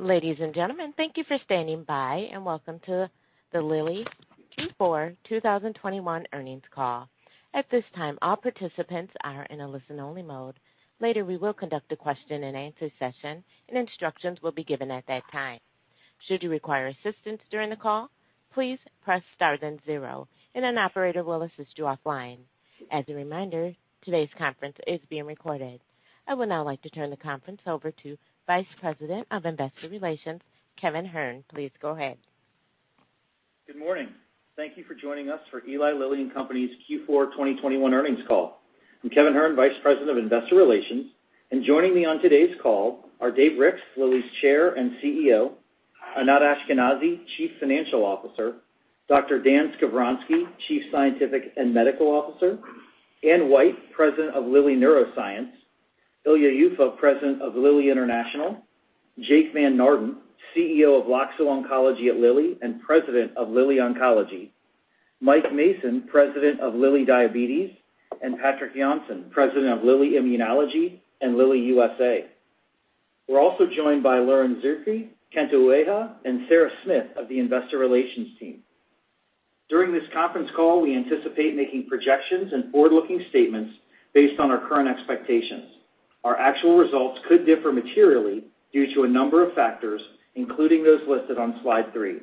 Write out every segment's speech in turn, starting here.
Ladies and gentlemen, thank you for standing by, and welcome to the Lilly Q4 2021 earnings call. At this time, all participants are in a listen-only mode. Later, we will conduct a question-and-answer session, and instructions will be given at that time. Should you require assistance during the call, please press star then zero, and an operator will assist you offline. As a reminder, today's conference is being recorded. I would now like to turn the conference over to Vice President of Investor Relations, Kevin Hern. Please go ahead. Good morning. Thank you for joining us for Eli Lilly and Company's Q4 2021 earnings call. I'm Kevin Hern, Vice President of Investor Relations, and joining me on today's call are Dave Ricks, Lilly's Chair and CEO, Anat Ashkenazi, Chief Financial Officer, Dr. Dan Skovronsky, Chief Scientific and Medical Officer, Anne White, President of Lilly Neuroscience, Ilya Yuffa, President of Lilly International, Jake Van Naarden, CEO of Loxo Oncology at Lilly and President of Lilly Oncology, Mike Mason, President of Lilly Diabetes, and Patrik Jonsson, President of Lilly Immunology and Lilly USA. We're also joined by Lauren Zierke, Kento Ueha, and Sara Smith of the Investor Relations team. During this conference call, we anticipate making projections and forward-looking statements based on our current expectations. Our actual results could differ materially due to a number of factors, including those listed on slide three.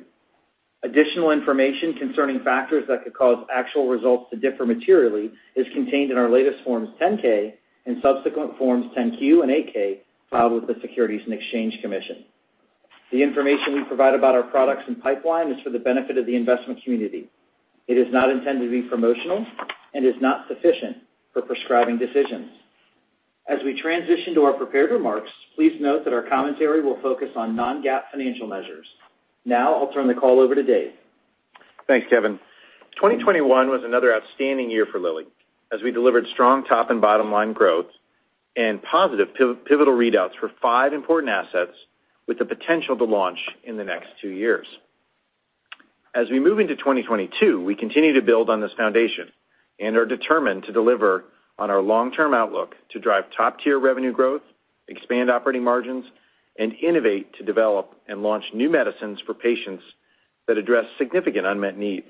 Additional information concerning factors that could cause actual results to differ materially is contained in our latest Forms 10-K and subsequent Forms 10-Q and 8-K filed with the Securities and Exchange Commission. The information we provide about our products and pipeline is for the benefit of the investment community. It is not intended to be promotional and is not sufficient for prescribing decisions. As we transition to our prepared remarks, please note that our commentary will focus on non-GAAP financial measures. Now I'll turn the call over to Dave. Thanks, Kevin. 2021 was another outstanding year for Lilly, as we delivered strong top and bottom line growth and positive pivotal readouts for five important assets with the potential to launch in the next two years. As we move into 2022, we continue to build on this foundation and are determined to deliver on our long-term outlook to drive top-tier revenue growth, expand operating margins, and innovate to develop and launch new medicines for patients that address significant unmet needs.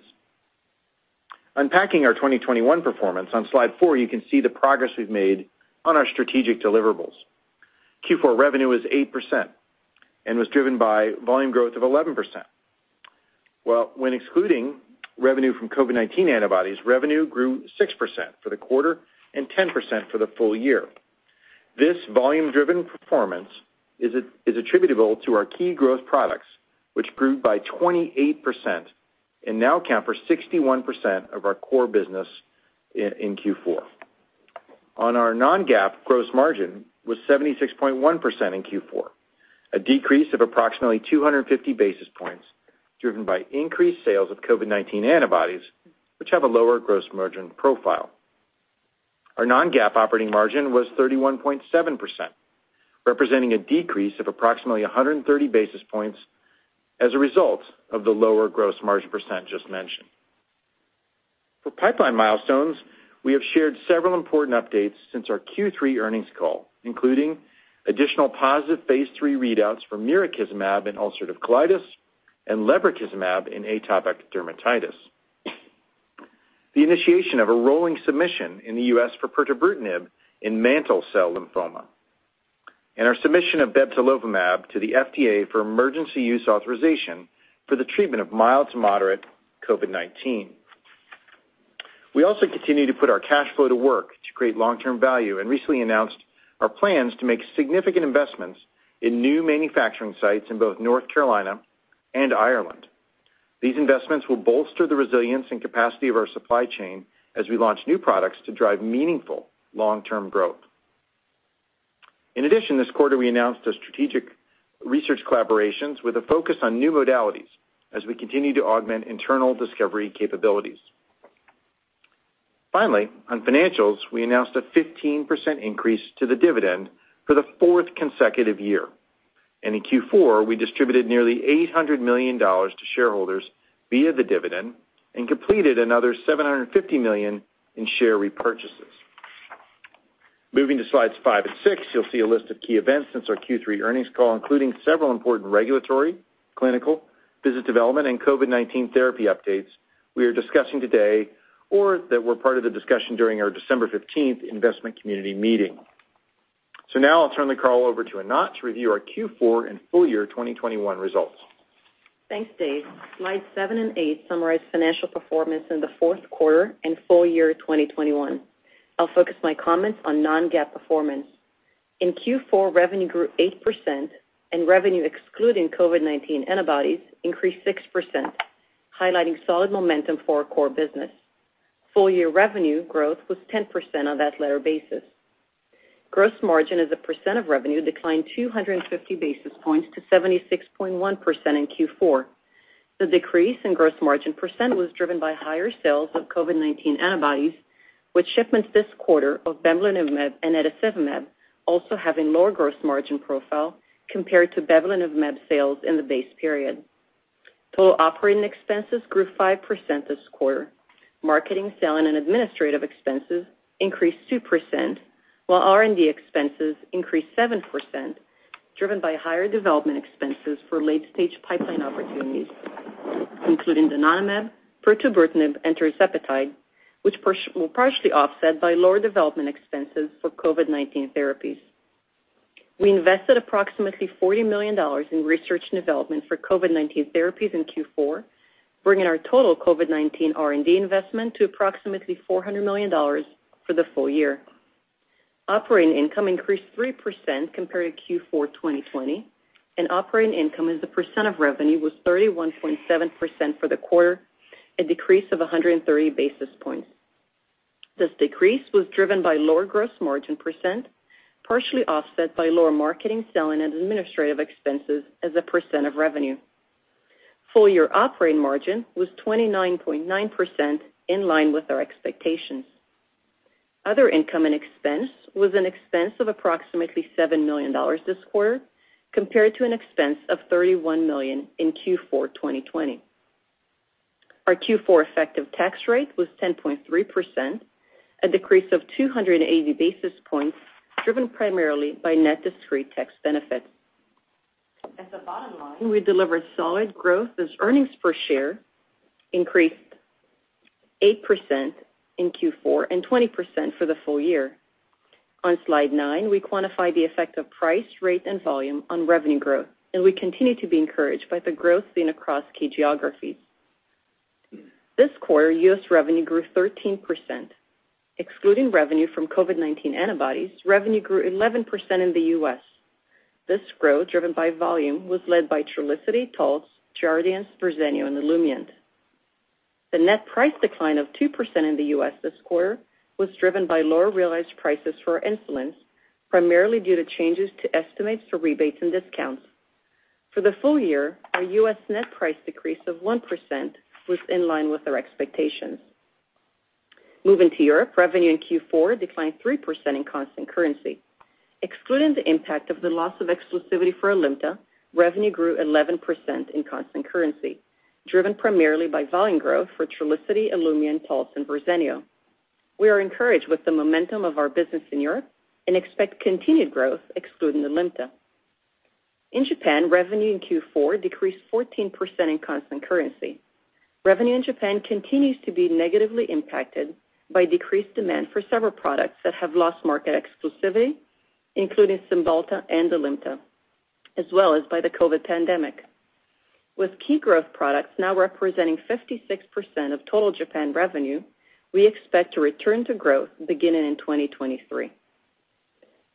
Unpacking our 2021 performance, on slide four you can see the progress we've made on our strategic deliverables. Q4 revenue is 8% and was driven by volume growth of 11%. Well, when excluding revenue from COVID-19 antibodies, revenue grew 6% for the quarter and 10% for the full year. This volume-driven performance is attributable to our key growth products, which grew by 28% and now account for 61% of our core business in Q4. Our non-GAAP gross margin was 76.1% in Q4, a decrease of approximately 250 basis points driven by increased sales of COVID-19 antibodies which have a lower gross margin profile. Our non-GAAP operating margin was 31.7%, representing a decrease of approximately 130 basis points as a result of the lower gross margin percent just mentioned. For pipeline milestones, we have shared several important updates since our Q3 earnings call, including additional positive phase III readouts for mavrilimumab in ulcerative colitis and lebrikizumab in atopic dermatitis, the initiation of a rolling submission in the U.S. for pirtobrutinib in mantle cell lymphoma, and our submission of bebtelovimab to the FDA for emergency use authorization for the treatment of mild to moderate COVID-19. We also continue to put our cash flow to work to create long-term value and recently announced our plans to make significant investments in new manufacturing sites in both North Carolina and Ireland. These investments will bolster the resilience and capacity of our supply chain as we launch new products to drive meaningful long-term growth. In addition, this quarter we announced a strategic research collaborations with a focus on new modalities as we continue to augment internal discovery capabilities. Finally, on financials, we announced a 15% increase to the dividend for the fourth consecutive year. In Q4, we distributed nearly $800 million to shareholders via the dividend and completed another $750 million in share repurchases. Moving to slides five and six, you'll see a list of key events since our Q3 earnings call, including several important regulatory, clinical, business development, and COVID-19 therapy updates we are discussing today or that were part of the discussion during our December 15 investment community meeting. Now I'll turn the call over to Anat to review our Q4 and full year 2021 results. Thanks, Dave. Slides seven and eight summarize financial performance in the fourth quarter and full year 2021. I'll focus my comments on non-GAAP performance. In Q4, revenue grew 8%, and revenue excluding COVID-19 antibodies increased 6%, highlighting solid momentum for our core business. Full year revenue growth was 10% on that latter basis. Gross margin as a percent of revenue declined 250 basis points to 76.1% in Q4. The decrease in gross margin percent was driven by higher sales of COVID-19 antibodies, with shipments this quarter of bamlanivimab and etesevimab also having lower gross margin profile compared to bamlanivimab sales in the base period. Total operating expenses grew 5% this quarter. Marketing, selling, and administrative expenses increased 2%, while R&D expenses increased 7%, driven by higher development expenses for late-stage pipeline opportunities, including donanemab and tirzepatide, which were partially offset by lower development expenses for COVID-19 therapies. We invested approximately $40 million in research and development for COVID-19 therapies in Q4, bringing our total COVID-19 R&D investment to approximately $400 million for the full year. Operating income increased 3% compared to Q4 2020, and operating income as a percent of revenue was 31.7% for the quarter, a decrease of 130 basis points. This decrease was driven by lower gross margin percent, partially offset by lower marketing, selling, and administrative expenses as a percent of revenue. Full year operating margin was 29.9%, in line with our expectations. Other income and expense was an expense of approximately $7 million this quarter, compared to an expense of $31 million in Q4 2020. Our Q4 effective tax rate was 10.3%, a decrease of 280 basis points, driven primarily by net discrete tax benefits. At the bottom line, we delivered solid growth as earnings per share increased 8% in Q4 and 20% for the full year. On slide nine, we quantify the effect of price, rate, and volume on revenue growth, and we continue to be encouraged by the growth seen across key geographies. This quarter, U.S. revenue grew 13%. Excluding revenue from COVID-19 antibodies, revenue grew 11% in the U.S. This growth, driven by volume, was led by Trulicity, Taltz, Jardiance, Verzenio, and Olumiant. The net price decline of 2% in the U.S. this quarter was driven by lower realized prices for insulins, primarily due to changes to estimates for rebates and discounts. For the full year, our U.S. net price decrease of 1% was in line with our expectations. Moving to Europe, revenue in Q4 declined 3% in constant currency. Excluding the impact of the loss of exclusivity for Alimta, revenue grew 11% in constant currency, driven primarily by volume growth for Trulicity, Olumiant, Taltz, and Verzenio. We are encouraged with the momentum of our business in Europe and expect continued growth excluding Alimta. In Japan, revenue in Q4 decreased 14% in constant currency. Revenue in Japan continues to be negatively impacted by decreased demand for several products that have lost market exclusivity, including Cymbalta and Alimta, as well as by the COVID pandemic. With key growth products now representing 56% of total Japan revenue, we expect to return to growth beginning in 2023.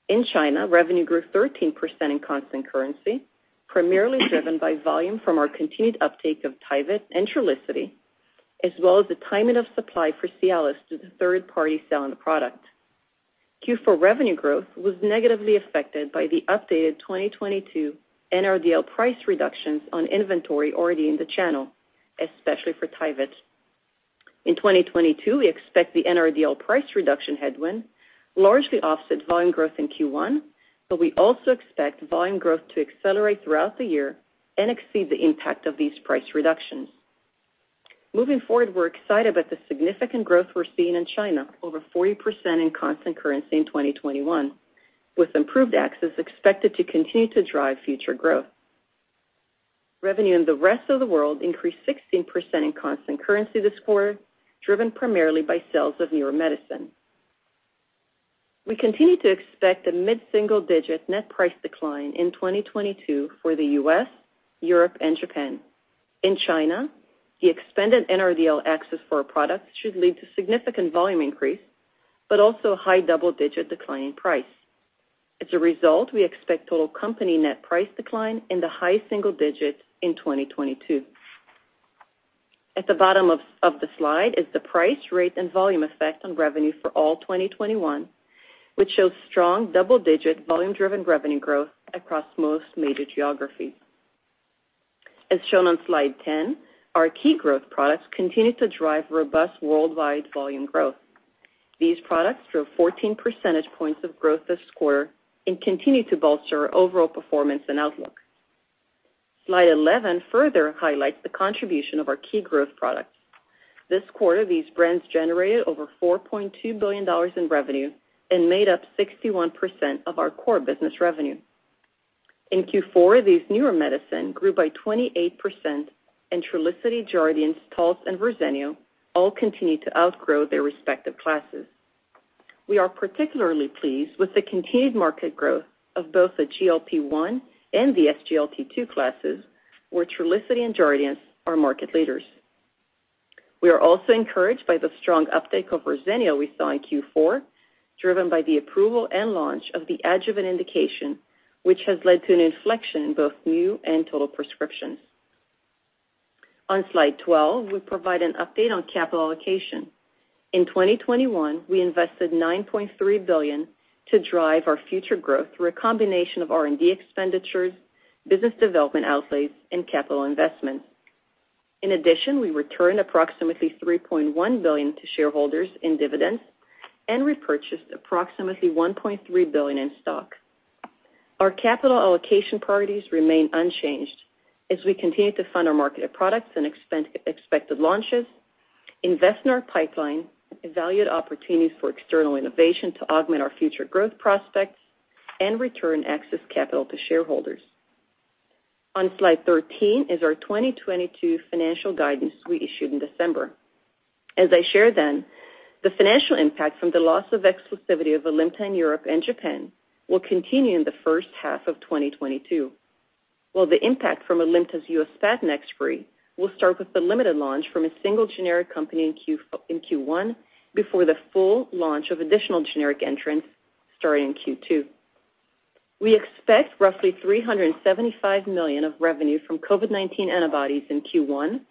In China, revenue grew 13% in constant currency, primarily driven by volume from our continued uptake of Tyvyt and Trulicity, as well as the timing of supply for Cialis to the third-party selling the product. Q4 revenue growth was negatively affected by the updated 2022 NRDL price reductions on inventory already in the channel, especially for Tyvyt. In 2022, we expect the NRDL price reduction headwind largely offset volume growth in Q1, but we also expect volume growth to accelerate throughout the year and exceed the impact of these price reductions. Moving forward, we're excited about the significant growth we're seeing in China, over 40% in constant currency in 2021, with improved access expected to continue to drive future growth. Revenue in the rest of the world increased 16% in constant currency this quarter, driven primarily by sales of newer medicine. We continue to expect a mid-single-digit net price decline in 2022 for the U.S., Europe, and Japan. In China, the expanded NRDL access for our products should lead to significant volume increase, but also a high double-digit decline in price. As a result, we expect total company net price decline in the high single digits in 2022. At the bottom of the slide is the price, rate, and volume effect on revenue for all 2021, which shows strong double-digit volume-driven revenue growth across most major geographies. As shown on slide 10, our key growth products continue to drive robust worldwide volume growth. These products drove 14 percentage points of growth this quarter and continue to bolster our overall performance and outlook. Slide 11 further highlights the contribution of our key growth products. This quarter, these brands generated over $4.2 billion in revenue and made up 61% of our core business revenue. In Q4, these newer medicine grew by 28%, and Trulicity, Jardiance, Taltz, and Verzenio all continue to outgrow their respective classes. We are particularly pleased with the continued market growth of both the GLP-1 and the SGLT2 classes, where Trulicity and Jardiance are market leaders. We are also encouraged by the strong uptake of Verzenio we saw in Q4, driven by the approval and launch of the adjuvant indication, which has led to an inflection in both new and total prescriptions. On slide 12, we provide an update on capital allocation. In 2021, we invested $9.3 billion to drive our future growth through a combination of R&D expenditures, business development outlays, and capital investments. In addition, we returned approximately $3.1 billion to shareholders in dividends and repurchased approximately $1.3 billion in stock. Our capital allocation priorities remain unchanged as we continue to fund our marketed products and expected launches, invest in our pipeline, evaluate opportunities for external innovation to augment our future growth prospects, and return excess capital to shareholders. On slide 13 is our 2022 financial guidance we issued in December. As I shared then, the financial impact from the loss of exclusivity of Alimta in Europe and Japan will continue in the first half of 2022, while the impact from Alimta's U.S. patent expiry will start with the limited launch from a single generic company in Q1 before the full launch of additional generic entrants starting in Q2. We expect roughly $375 million of revenue from COVID-19 antibodies in Q1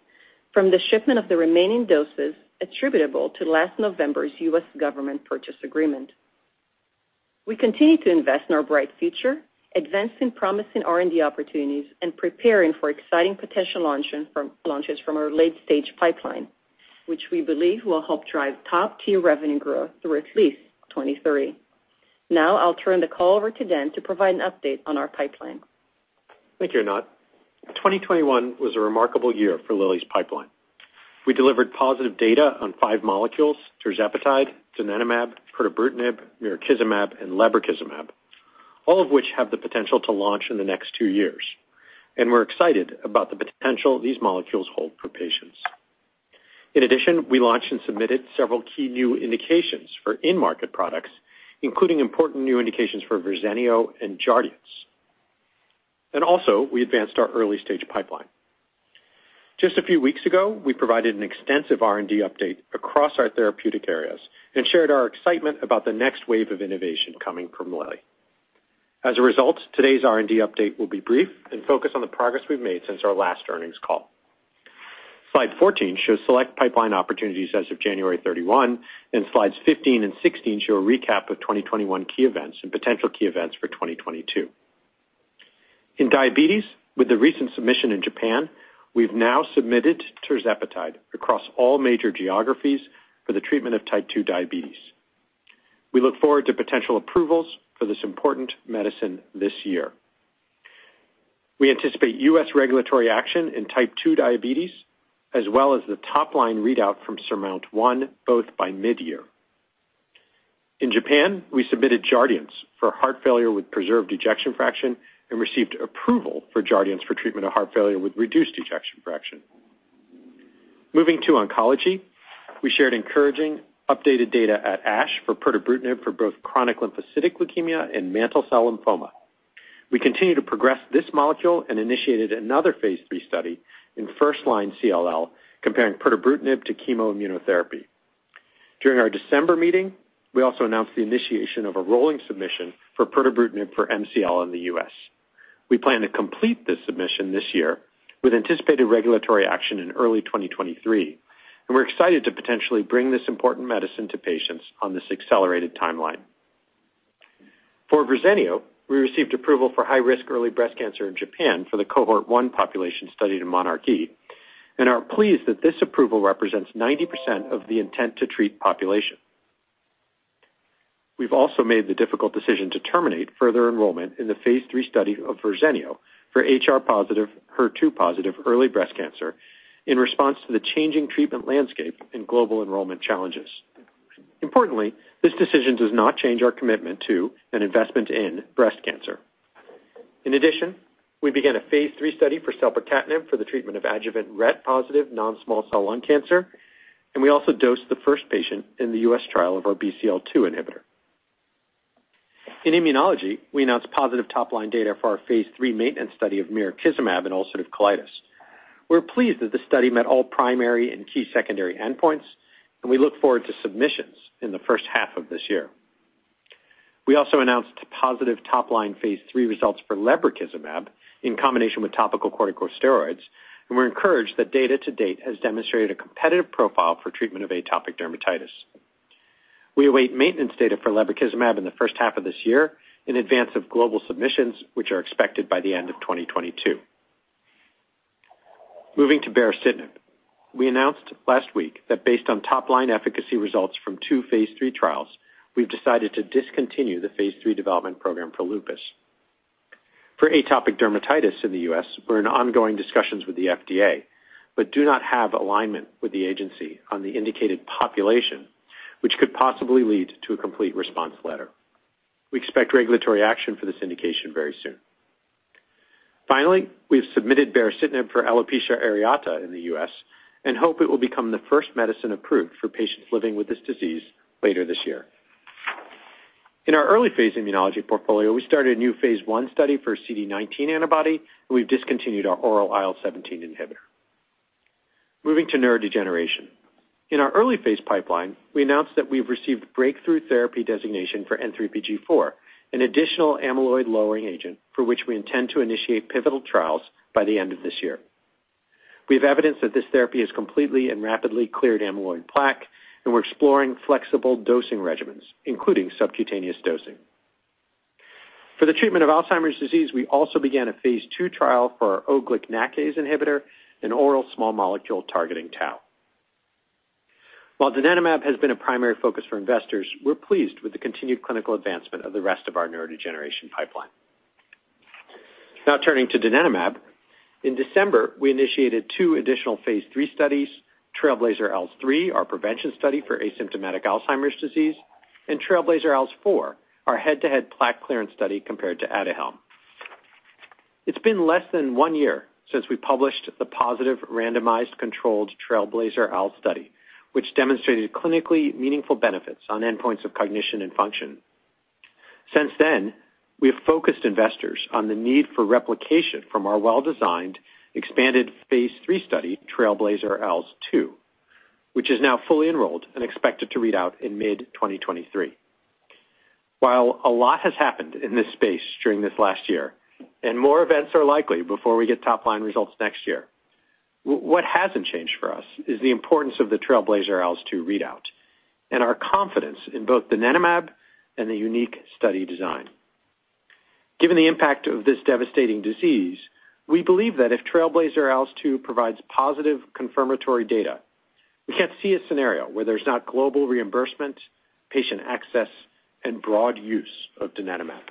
from the shipment of the remaining doses attributable to last November's U.S. government purchase agreement. We continue to invest in our bright future, advancing promising R&D opportunities, and preparing for exciting potential launches from our late-stage pipeline, which we believe will help drive top-tier revenue growth through at least 2023. Now I'll turn the call over to Dan to provide an update on our pipeline. Thank you, Anat. 2021 was a remarkable year for Lilly's pipeline. We delivered positive data on five molecules: Tirzepatide, donanemab, pirtobrutinib, mirikizumab, and lebrikizumab, all of which have the potential to launch in the next two years. We're excited about the potential these molecules hold for patients. In addition, we launched and submitted several key new indications for in-market products, including important new indications for Verzenio and Jardiance. We advanced our early stage pipeline. Just a few weeks ago, we provided an extensive R&D update across our therapeutic areas and shared our excitement about the next wave of innovation coming from Lilly. As a result, today's R&D update will be brief and focus on the progress we've made since our last earnings call. Slide 14 shows select pipeline opportunities as of January 31, and slides 15 and 16 show a recap of 2021 key events and potential key events for 2022. In diabetes, with the recent submission in Japan, we've now submitted Tirzepatide across all major geographies for the treatment of type 2 diabetes. We look forward to potential approvals for this important medicine this year. We anticipate U.S. regulatory action in type 2 diabetes as well as the top-line readout from SURMOUNT-1 both by mid-year. In Japan, we submitted Jardiance for heart failure with preserved ejection fraction and received approval for Jardiance for treatment of heart failure with reduced ejection fraction. Moving to oncology, we shared encouraging updated data at ASH for pirtobrutinib for both chronic lymphocytic leukemia and mantle cell lymphoma. We continue to progress this molecule and initiated another phase III study in first-line CLL comparing pirtobrutinib to chemoimmunotherapy. During our December meeting, we also announced the initiation of a rolling submission for pirtobrutinib for MCL in the U.S. We plan to complete this submission this year with anticipated regulatory action in early 2023, and we're excited to potentially bring this important medicine to patients on this accelerated timeline. For Verzenio, we received approval for high-risk early breast cancer in Japan for the cohort one population studied in monarchE and are pleased that this approval represents 90% of the intent-to-treat population. We've also made the difficult decision to terminate further enrollment in the phase III study of Verzenio for HR-positive, HER2-positive early breast cancer in response to the changing treatment landscape and global enrollment challenges. Importantly, this decision does not change our commitment to an investment in breast cancer. In addition, we began a phase III study for selpercatinib for the treatment of adjuvant RET-positive non-small cell lung cancer, and we also dosed the first patient in the U.S. trial of our BCL-2 inhibitor. In immunology, we announced positive top-line data for our phase III maintenance study of mirikizumab in ulcerative colitis. We're pleased that the study met all primary and key secondary endpoints, and we look forward to submissions in the first half of this year. We also announced positive top-line phase III results for lebrikizumab in combination with topical corticosteroids, and we're encouraged that data to date has demonstrated a competitive profile for treatment of atopic dermatitis. We await maintenance data for lebrikizumab in the first half of this year in advance of global submissions, which are expected by the end of 2022. Moving to baricitinib. We announced last week that based on top-line efficacy results from two phase III trials, we've decided to discontinue the phase III development program for lupus. For atopic dermatitis in the U.S., we're in ongoing discussions with the FDA, but do not have alignment with the agency on the indicated population, which could possibly lead to a complete response letter. We expect regulatory action for this indication very soon. Finally, we've submitted baricitinib for alopecia areata in the U.S. and hope it will become the first medicine approved for patients living with this disease later this year. In our early phase immunology portfolio, we started a new phase I study for a CD19 antibody, and we've discontinued our oral IL-17 inhibitor. Moving to neurodegeneration. In our early phase pipeline, we announced that we've received breakthrough therapy designation for N3pG, an additional amyloid-lowering agent for which we intend to initiate pivotal trials by the end of this year. We have evidence that this therapy has completely and rapidly cleared amyloid plaque, and we're exploring flexible dosing regimens, including subcutaneous dosing. For the treatment of Alzheimer's disease, we also began a phase II trial for our O-GlcNAcase inhibitor, an oral small molecule targeting tau. While donanemab has been a primary focus for investors, we're pleased with the continued clinical advancement of the rest of our neurodegeneration pipeline. Now turning to donanemab. In December, we initiated two additional phase III studies, TRAILBLAZER-ALZ 3, our prevention study for asymptomatic Alzheimer's disease, and TRAILBLAZER-ALZ 4, our head-to-head plaque clearance study compared to Aduhelm. It's been less than one year since we published the positive randomized controlled TRAILBLAZER-ALZ study, which demonstrated clinically meaningful benefits on endpoints of cognition and function. Since then, we have focused investors on the need for replication from our well-designed expanded phase III study, TRAILBLAZER-ALZ 2, which is now fully enrolled and expected to read out in mid-2023. While a lot has happened in this space during this last year, and more events are likely before we get top-line results next year, what hasn't changed for us is the importance of the TRAILBLAZER-ALZ 2 readout and our confidence in both donanemab and the unique study design. Given the impact of this devastating disease, we believe that if TRAILBLAZER-ALZ 2 provides positive confirmatory data, we can't see a scenario where there's not global reimbursement, patient access, and broad use of donanemab.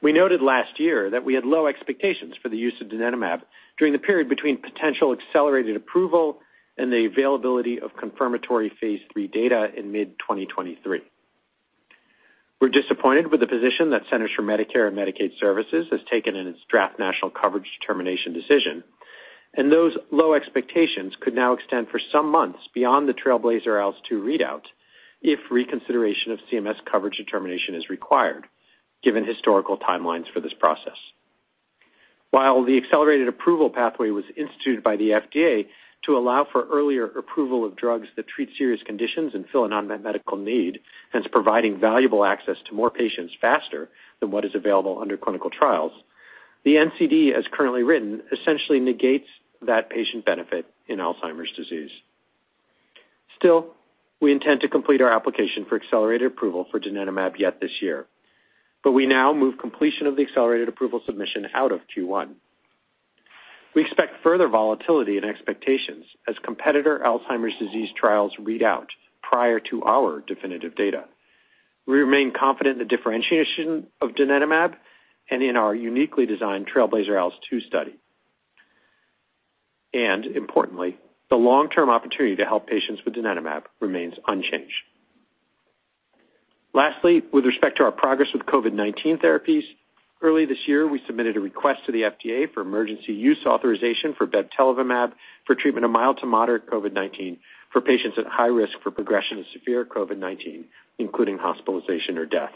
We noted last year that we had low expectations for the use of donanemab during the period between potential accelerated approval and the availability of confirmatory phase III data in mid-2023. We're disappointed with the position that Centers for Medicare & Medicaid Services has taken in its draft national coverage determination decision, and those low expectations could now extend for some months beyond the TRAILBLAZER-ALZ 2 readout if reconsideration of CMS coverage determination is required given historical timelines for this process. While the accelerated approval pathway was instituted by the FDA to allow for earlier approval of drugs that treat serious conditions and fill an unmet medical need, hence providing valuable access to more patients faster than what is available under clinical trials, the NCD, as currently written, essentially negates that patient benefit in Alzheimer's disease. Still, we intend to complete our application for accelerated approval for donanemab yet this year, but we now move completion of the accelerated approval submission out of Q1. We expect further volatility and expectations as competitor Alzheimer's disease trials read out prior to our definitive data. We remain confident in the differentiation of donanemab and in our uniquely designed TRAILBLAZER-ALZ 2 study. Importantly, the long-term opportunity to help patients with donanemab remains unchanged. Lastly, with respect to our progress with COVID-19 therapies, early this year, we submitted a request to the FDA for emergency use authorization for bebtelovimab for treatment of mild to moderate COVID-19 for patients at high risk for progression of severe COVID-19, including hospitalization or death.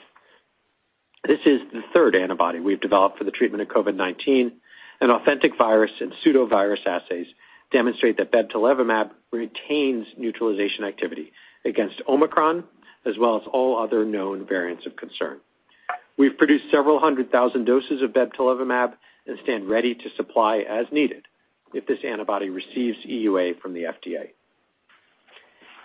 This is the third antibody we've developed for the treatment of COVID-19, and authentic virus and pseudovirus assays demonstrate that bebtelovimab retains neutralization activity against Omicron, as well as all other known variants of concern. We've produced several hundred thousand doses of bebtelovimab and stand ready to supply as needed if this antibody receives EUA from the FDA.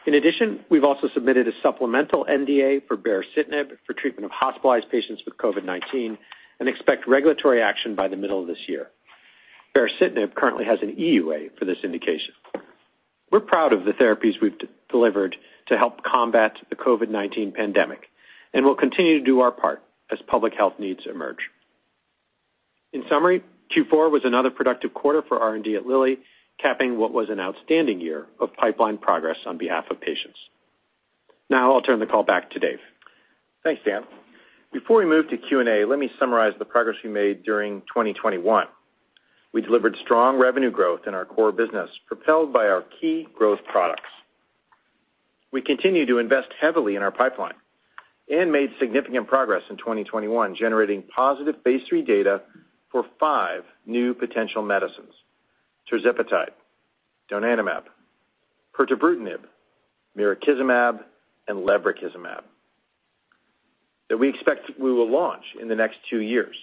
In addition, we've also submitted a supplemental NDA for baricitinib for treatment of hospitalized patients with COVID-19 and expect regulatory action by the middle of this year. Baricitinib currently has an EUA for this indication. We're proud of the therapies we've delivered to help combat the COVID-19 pandemic, and we'll continue to do our part as public health needs emerge. In summary, Q4 was another productive quarter for R&D at Lilly, capping what was an outstanding year of pipeline progress on behalf of patients. Now I'll turn the call back to Dave. Thanks, Dan. Before we move to Q&A, let me summarize the progress we made during 2021. We delivered strong revenue growth in our core business, propelled by our key growth products. We continue to invest heavily in our pipeline and made significant progress in 2021, generating positive phase III data for five new potential medicines: tirzepatide, donanemab, pirtobrutinib, mirikizumab, and lebrikizumab that we expect we will launch in the next two years.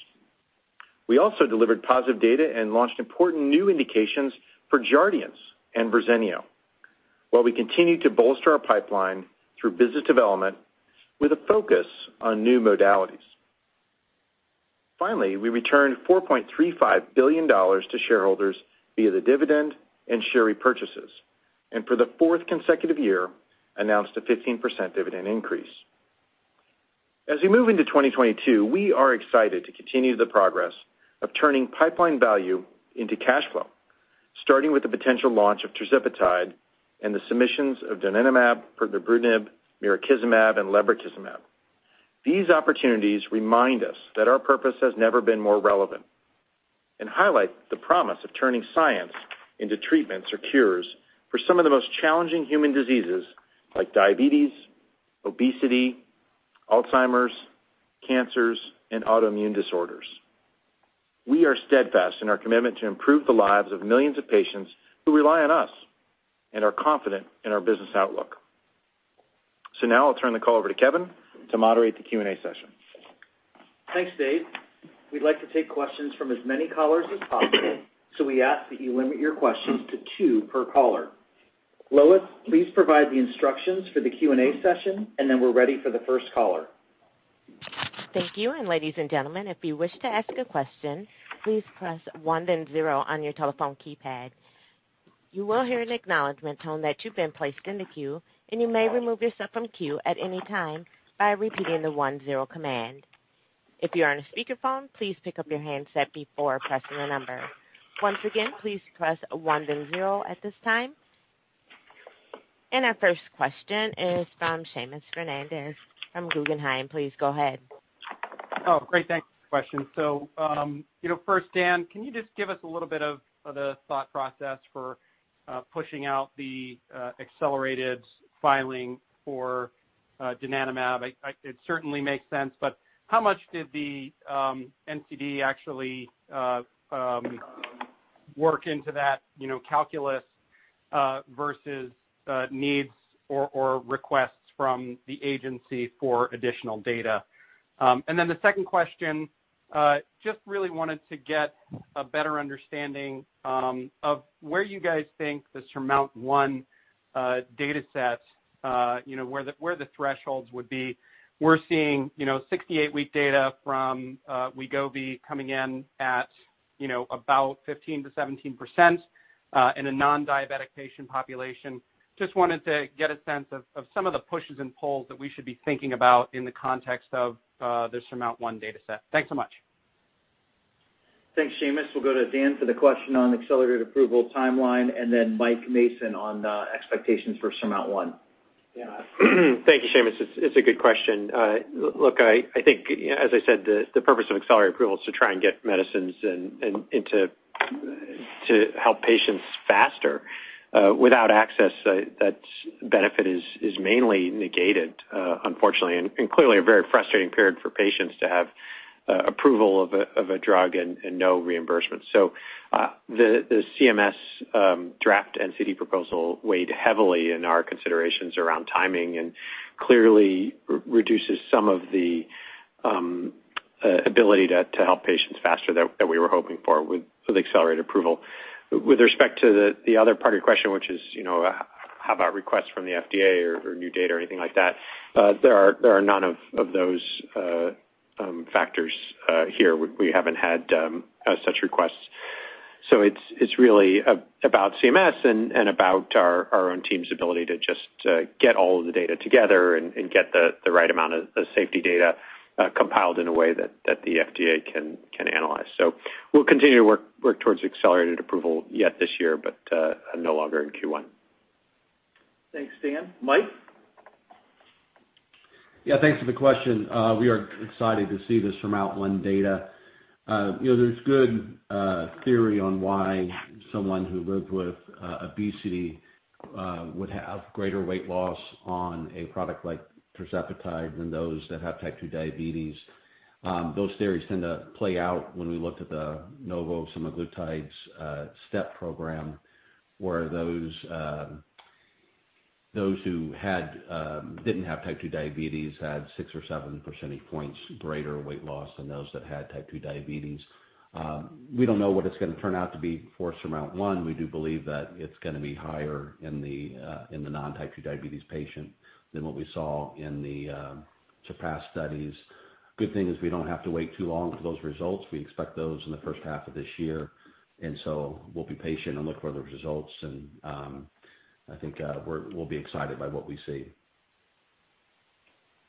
We also delivered positive data and launched important new indications for Jardiance and Verzenio, while we continue to bolster our pipeline through business development with a focus on new modalities. Finally, we returned $4.35 billion to shareholders via the dividend and share repurchases, and for the fourth consecutive year, announced a 15% dividend increase. As we move into 2022, we are excited to continue the progress of turning pipeline value into cash flow, starting with the potential launch of tirzepatide and the submissions of donanemab, pirtobrutinib, mirikizumab, and lebrikizumab. These opportunities remind us that our purpose has never been more relevant and highlight the promise of turning science into treatments or cures for some of the most challenging human diseases like diabetes, obesity, Alzheimer's, cancers, and autoimmune disorders. We are steadfast in our commitment to improve the lives of millions of patients who rely on us and are confident in our business outlook. Now I'll turn the call over to Kevin to moderate the Q&A session. Thanks, Dave. We'd like to take questions from as many callers as possible, so we ask that you limit your questions to two per caller. Lois, please provide the instructions for the Q&A session, and then we're ready for the first caller. Our first question is from Seamus Fernandez from Guggenheim. Please go ahead. Oh, great. Thanks for the question. First, Dan, can you just give us a little bit of the thought process for pushing out the accelerated filing for donanemab? It certainly makes sense, but how much did the NCD actually work into that, you know, calculus versus needs or requests from the agency for additional data? Then the second question, just really wanted to get a better understanding of where you guys think the SURMOUNT-1 data set, you know, where the thresholds would be. We're seeing, you know, 68-week data from Wegovy coming in at, you know, about 15%-17% in a non-diabetic patient population. Just wanted to get a sense of some of the pushes and pulls that we should be thinking about in the context of the SURMOUNT-1 data set. Thanks so much. Thanks, Seamus. We'll go to Dan Skovronsky for the question on accelerated approval timeline, and then Mike Mason on expectations for SURMOUNT-1. Yeah. Thank you, Seamus. It's a good question. Look, I think, as I said, the purpose of accelerated approval is to try and get medicines to help patients faster. Without access, that benefit is mainly negated, unfortunately, and clearly a very frustrating period for patients to have approval of a drug and no reimbursement. The CMS draft NCD proposal weighed heavily in our considerations around timing and clearly reduces some of the ability to help patients faster that we were hoping for with accelerated approval. With respect to the other part of your question, which is, you know, how about requests from the FDA or new data or anything like that, there are none of those factors here. We haven't had such requests. It's really about CMS and about our own team's ability to just get all of the data together and get the right amount of safety data compiled in a way that the FDA can analyze. We'll continue to work towards accelerated approval yet this year, but no longer in Q1. Thanks, Dan. Mike? Yeah, thanks for the question. We are excited to see this SURMOUNT-1 data. You know, there's good theory on why someone who lived with obesity would have greater weight loss on a product like tirzepatide than those that have type 2 diabetes. Those theories tend to play out when we looked at the Novo semaglutide step program, where those who didn't have type 2 diabetes had 6 or 7 percentage points greater weight loss than those that had type 2 diabetes. We don't know what it's gonna turn out to be for SURMOUNT-1. We do believe that it's gonna be higher in the non-type 2 diabetes patient than what we saw in the SURPASS studies. Good thing is we don't have to wait too long for those results. We expect those in the first half of this year, and so we'll be patient and look for the results, and I think we'll be excited by what we see.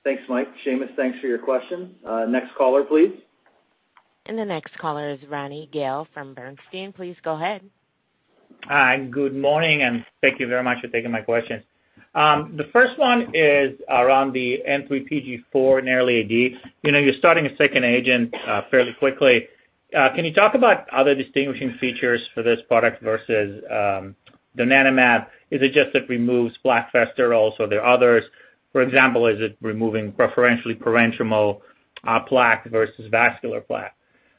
Thanks, Mike. Seamus, thanks for your question. Next caller, please. The next caller is Ronny Gal from Bernstein. Please go ahead. Hi, and good morning, and thank you very much for taking my questions. The first one is around the N3pG in early AD. You know, you're starting a second agent fairly quickly. Can you talk about other distinguishing features for this product versus donanemab? Is it just it removes plaque faster? Also, there are others. For example, is it removing preferentially parenchymal plaque versus vascular plaque?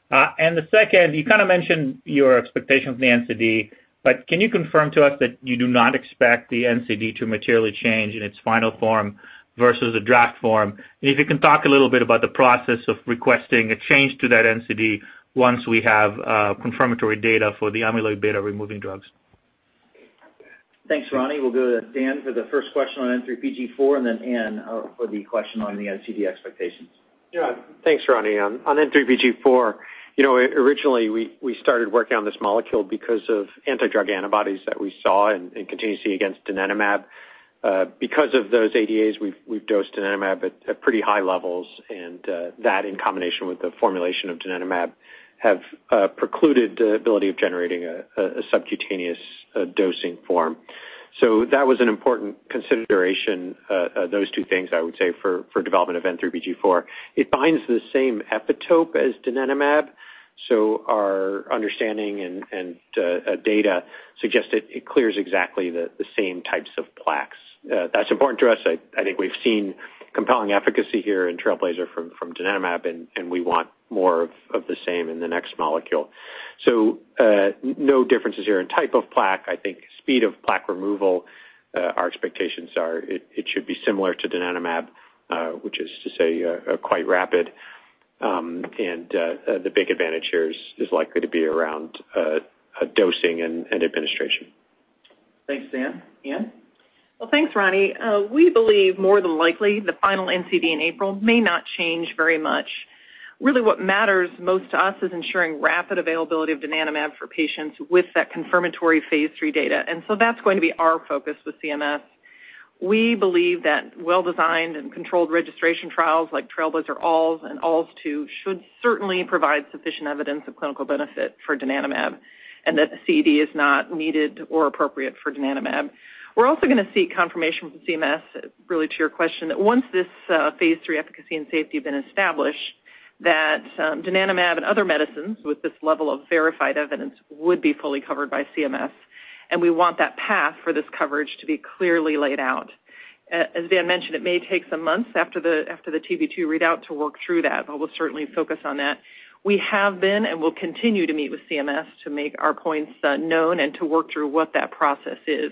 The second, you kinda mentioned your expectations of the NCD, but can you confirm to us that you do not expect the NCD to materially change in its final form versus a draft form? If you can talk a little bit about the process of requesting a change to that NCD once we have confirmatory data for the amyloid beta removing drugs. Thanks, Ronny. We'll go to Dan for the first question on N3pG and then Anne for the question on the NCD expectations. Yeah. Thanks, Ronny. On N3pG, you know, originally, we started working on this molecule because of anti-drug antibodies that we saw and continue to see against donanemab. Because of those ADAs, we've dosed donanemab at pretty high levels, and that in combination with the formulation of donanemab have precluded the ability of generating a subcutaneous dosing form. So that was an important consideration, those two things I would say for development of N3pG. It binds the same epitope as donanemab, so our understanding and data suggest it clears exactly the same types of plaques. That's important to us. I think we've seen compelling efficacy here in TRAILBLAZER from donanemab, and we want more of the same in the next molecule. No differences here in type of plaque. I think speed of plaque removal, our expectations are it should be similar to donanemab, which is to say, quite rapid. The big advantage here is likely to be around dosing and administration. Thanks, Dan. Anne? Well, thanks, Ronny. We believe more than likely the final NCD in April may not change very much. Really, what matters most to us is ensuring rapid availability of donanemab for patients with that confirmatory phase III data. That's going to be our focus with CMS. We believe that well-designed and controlled registration trials like TRAILBLAZER-ALZ and TRAILBLAZER-ALZ 2 should certainly provide sufficient evidence of clinical benefit for donanemab, and that the CED is not needed or appropriate for donanemab. We're also gonna seek confirmation from CMS, really to your question, that once this phase III efficacy and safety have been established, that donanemab and other medicines with this level of verified evidence would be fully covered by CMS. We want that path for this coverage to be clearly laid out. As Dan mentioned, it may take some months after the TB-2 readout to work through that, but we'll certainly focus on that. We have been, and will continue to meet with CMS to make our points known and to work through what that process is.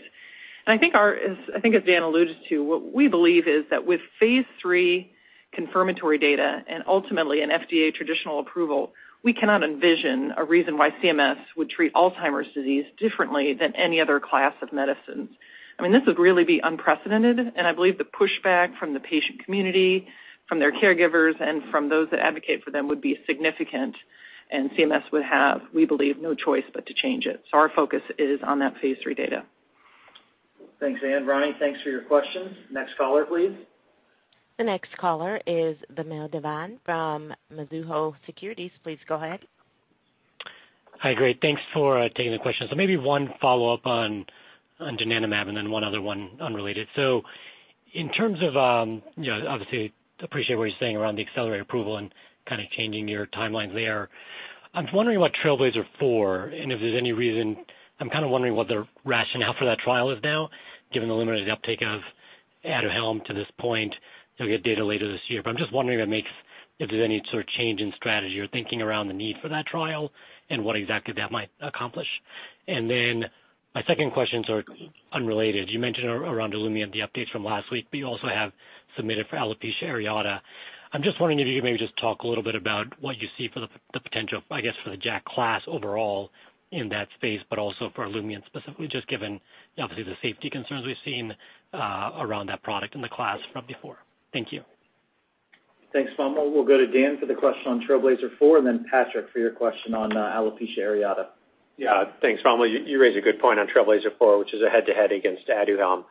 I think as Dan alluded to, what we believe is that with phase III confirmatory data and ultimately an FDA traditional approval, we cannot envision a reason why CMS would treat Alzheimer's disease differently than any other class of medicines. I mean, this would really be unprecedented, and I believe the pushback from the patient community, from their caregivers, and from those that advocate for them would be significant. CMS would have, we believe, no choice but to change it. Our focus is on that phase III data. Thanks, Anne. Ronnie, thanks for your questions. Next caller, please. The next caller is Vamil Divan from Mizuho Securities. Please go ahead. Hi. Great. Thanks for taking the question. Maybe one follow-up on donanemab and then one other one unrelated. In terms of, you know, obviously appreciate what you're saying around the accelerated approval and kind of changing your timelines there. I'm kind of wondering what the rationale for TRAILBLAZER-ALZ 4 is now, given the limited uptake of Aduhelm to this point. You'll get data later this year, but I'm just wondering if there's any sort of change in strategy or thinking around the need for that trial and what exactly that might accomplish. My second question's sort of unrelated. You mentioned around Olumiant the updates from last week, but you also have submitted for alopecia areata. I'm just wondering if you could maybe just talk a little bit about what you see for the potential, I guess, for the JAK class overall in that space, but also for Olumiant specifically, just given obviously the safety concerns we've seen around that product and the class from before? Thank you. Thanks, Vamil. We'll go to Dan for the question on TRAILBLAZER-ALZ 4, and then Patrik for your question on alopecia areata. Yeah. Thanks, Vamil. You raise a good point on TRAILBLAZER-ALZ 4, which is a head-to-head against Aduhelm.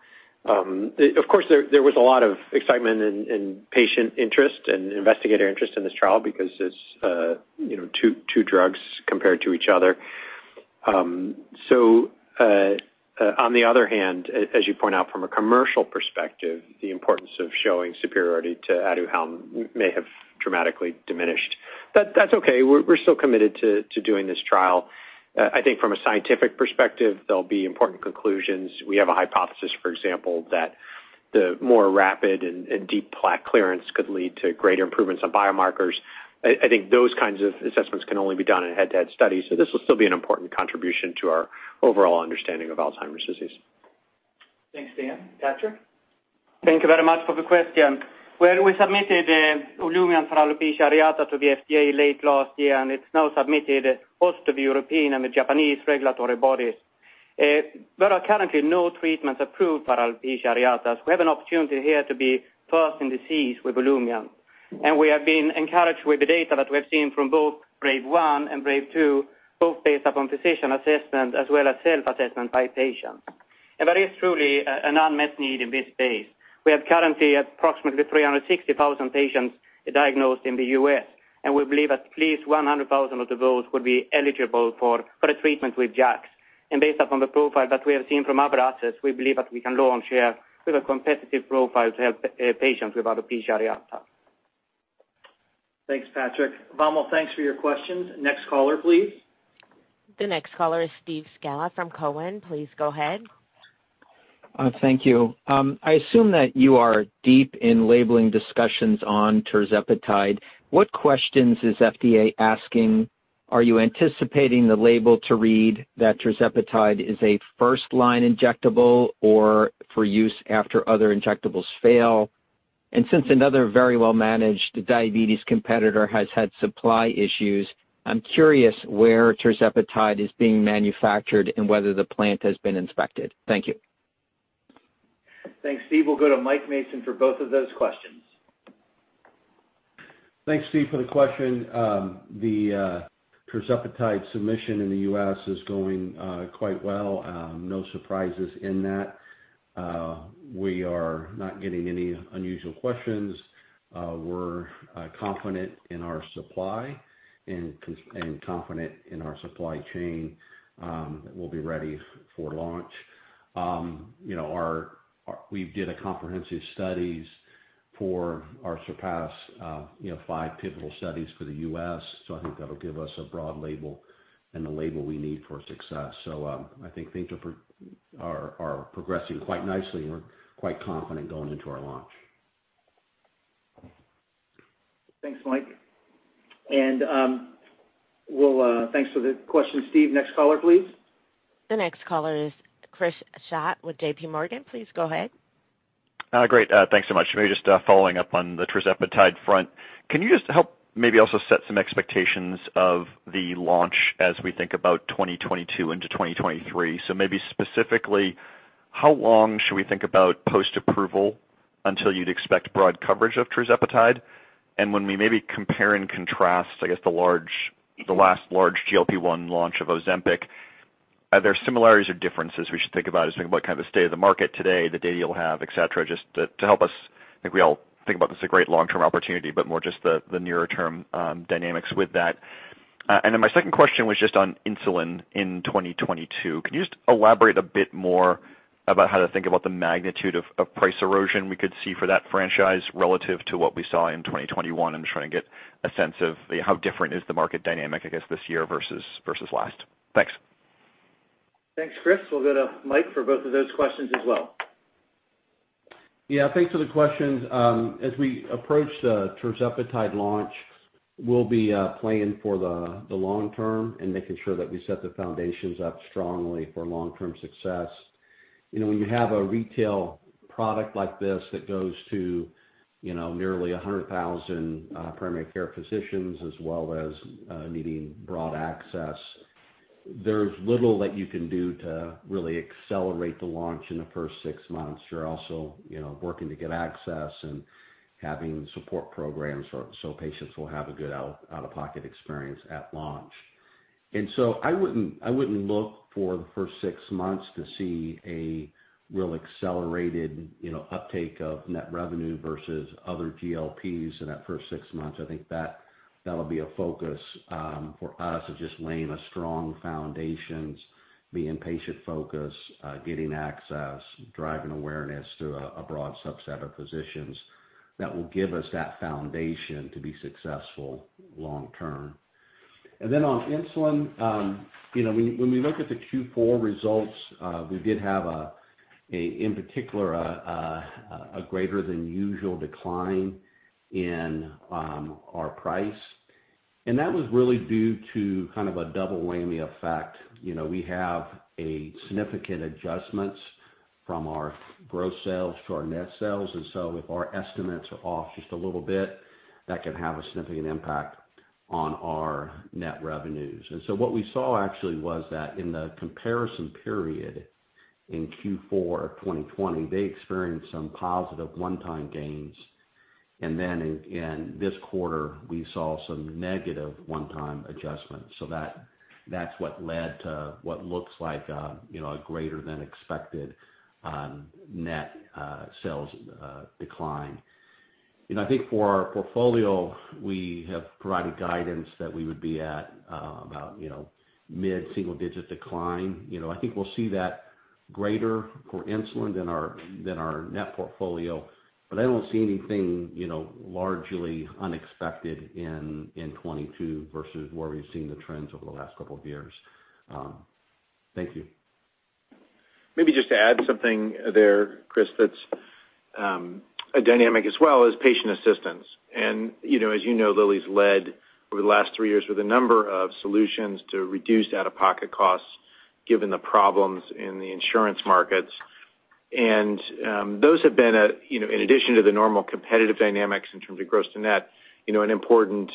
Of course, there was a lot of excitement and patient interest and investigator interest in this trial because it's, you know, two drugs compared to each other. On the other hand, as you point out from a commercial perspective, the importance of showing superiority to Aduhelm may have dramatically diminished. That's okay. We're still committed to doing this trial. I think from a scientific perspective, there'll be important conclusions. We have a hypothesis, for example, that the more rapid and deep plaque clearance could lead to greater improvements on biomarkers. I think those kinds of assessments can only be done in head-to-head studies, so this will still be an important contribution to our overall understanding of Alzheimer's disease. Thanks, Dan. Patrik? Thank you very much for the question. Well, we submitted Olumiant for alopecia areata to the FDA late last year, and it's now submitted also to the European and the Japanese regulatory bodies. There are currently no treatments approved for alopecia areata, so we have an opportunity here to be first in disease with Olumiant. We have been encouraged with the data that we have seen from both BRAVE-AA1 and BRAVE-AA2, both based upon physician assessment as well as self-assessment by patients. There is truly an unmet need in this space. We have currently approximately 360,000 patients diagnosed in the U.S., and we believe at least 100,000 of those would be eligible for a treatment with JAKs. Based upon the profile that we have seen from other assets, we believe that we can launch here with a competitive profile to help patients with alopecia areata. Thanks, Patrik. Vamil, thanks for your questions. Next caller, please. The next caller is Steve Scala from Cowen. Please go ahead. Thank you. I assume that you are deep in labeling discussions on Tirzepatide. What questions is FDA asking? Are you anticipating the label to read that Tirzepatide is a first-line injectable or for use after other injectables fail? Since another very well-managed diabetes competitor has had supply issues, I'm curious where Tirzepatide is being manufactured and whether the plant has been inspected. Thank you. Thanks, Steve. We'll go to Mike Mason for both of those questions. Thanks, Steve, for the question. The Tirzepatide submission in the U.S. is going quite well. No surprises in that. We are not getting any unusual questions. We're confident in our supply chain that we'll be ready for launch. You know, we did comprehensive studies for our SURPASS, you know, five pivotal studies for the U.S., so I think that'll give us a broad label and the label we need for success. I think things are progressing quite nicely, and we're quite confident going into our launch. Thanks, Mike. Thanks for the question, Steve. Next caller, please. The next caller is Chris Schott with JPMorgan. Please go ahead. Great. Thanks so much. Maybe just following up on the tirzepatide front. Can you just help maybe also set some expectations of the launch as we think about 2022 into 2023? So maybe specifically, how long should we think about post-approval until you'd expect broad coverage of tirzepatide? And when we maybe compare and contrast, I guess the last large GLP-1 launch of Ozempic, are there similarities or differences we should think about as we think about kind of the state of the market today, the data you'll have, et cetera, just to help us? I think we all think about this as a great long-term opportunity, but more just the nearer term dynamics with that. And then my second question was just on insulin in 2022. Can you just elaborate a bit more about how to think about the magnitude of price erosion we could see for that franchise relative to what we saw in 2021? I'm just trying to get a sense of how different is the market dynamic, I guess, this year versus last. Thanks. Thanks, Chris. We'll go to Mike for both of those questions as well. Yeah, thanks for the questions. As we approach the tirzepatide launch, we'll be planning for the long term and making sure that we set the foundations up strongly for long-term success. You know, when you have a retail product like this that goes to, you know, nearly 100,000 primary care physicians as well as needing broad access, there's little that you can do to really accelerate the launch in the first six months. You're also, you know, working to get access and having support programs so patients will have a good out-of-pocket experience at launch. I wouldn't look for the first six months to see a real accelerated, you know, uptake of net revenue versus other GLPs in that first six months. I think that that'll be a focus for us is just laying a strong foundations, being patient focused, getting access, driving awareness to a broad subset of physicians that will give us that foundation to be successful long term. Then on insulin, you know, when we look at the Q4 results, we did have in particular a greater than usual decline in our price. That was really due to kind of a double whammy effect. You know, we have a significant adjustments from our gross sales to our net sales, and so if our estimates are off just a little bit, that can have a significant impact on our net revenues. What we saw actually was that in the comparison period in Q4 2020, they experienced some positive one-time gains. In this quarter, we saw some negative one-time adjustments. That's what led to what looks like, you know, a greater than expected, net sales decline. You know, I think for our portfolio, we have provided guidance that we would be at about, you know, mid-single digit decline. You know, I think we'll see that greater for insulin than our net portfolio. I don't see anything, you know, largely unexpected in 2022 versus where we've seen the trends over the last couple of years. Thank you. Maybe just to add something there, Chris, that's a dynamic as well is patient assistance. You know, as you know, Lilly's led over the last three years with a number of solutions to reduce out-of-pocket costs given the problems in the insurance markets. Those have been, you know, in addition to the normal competitive dynamics in terms of gross to net, you know, an important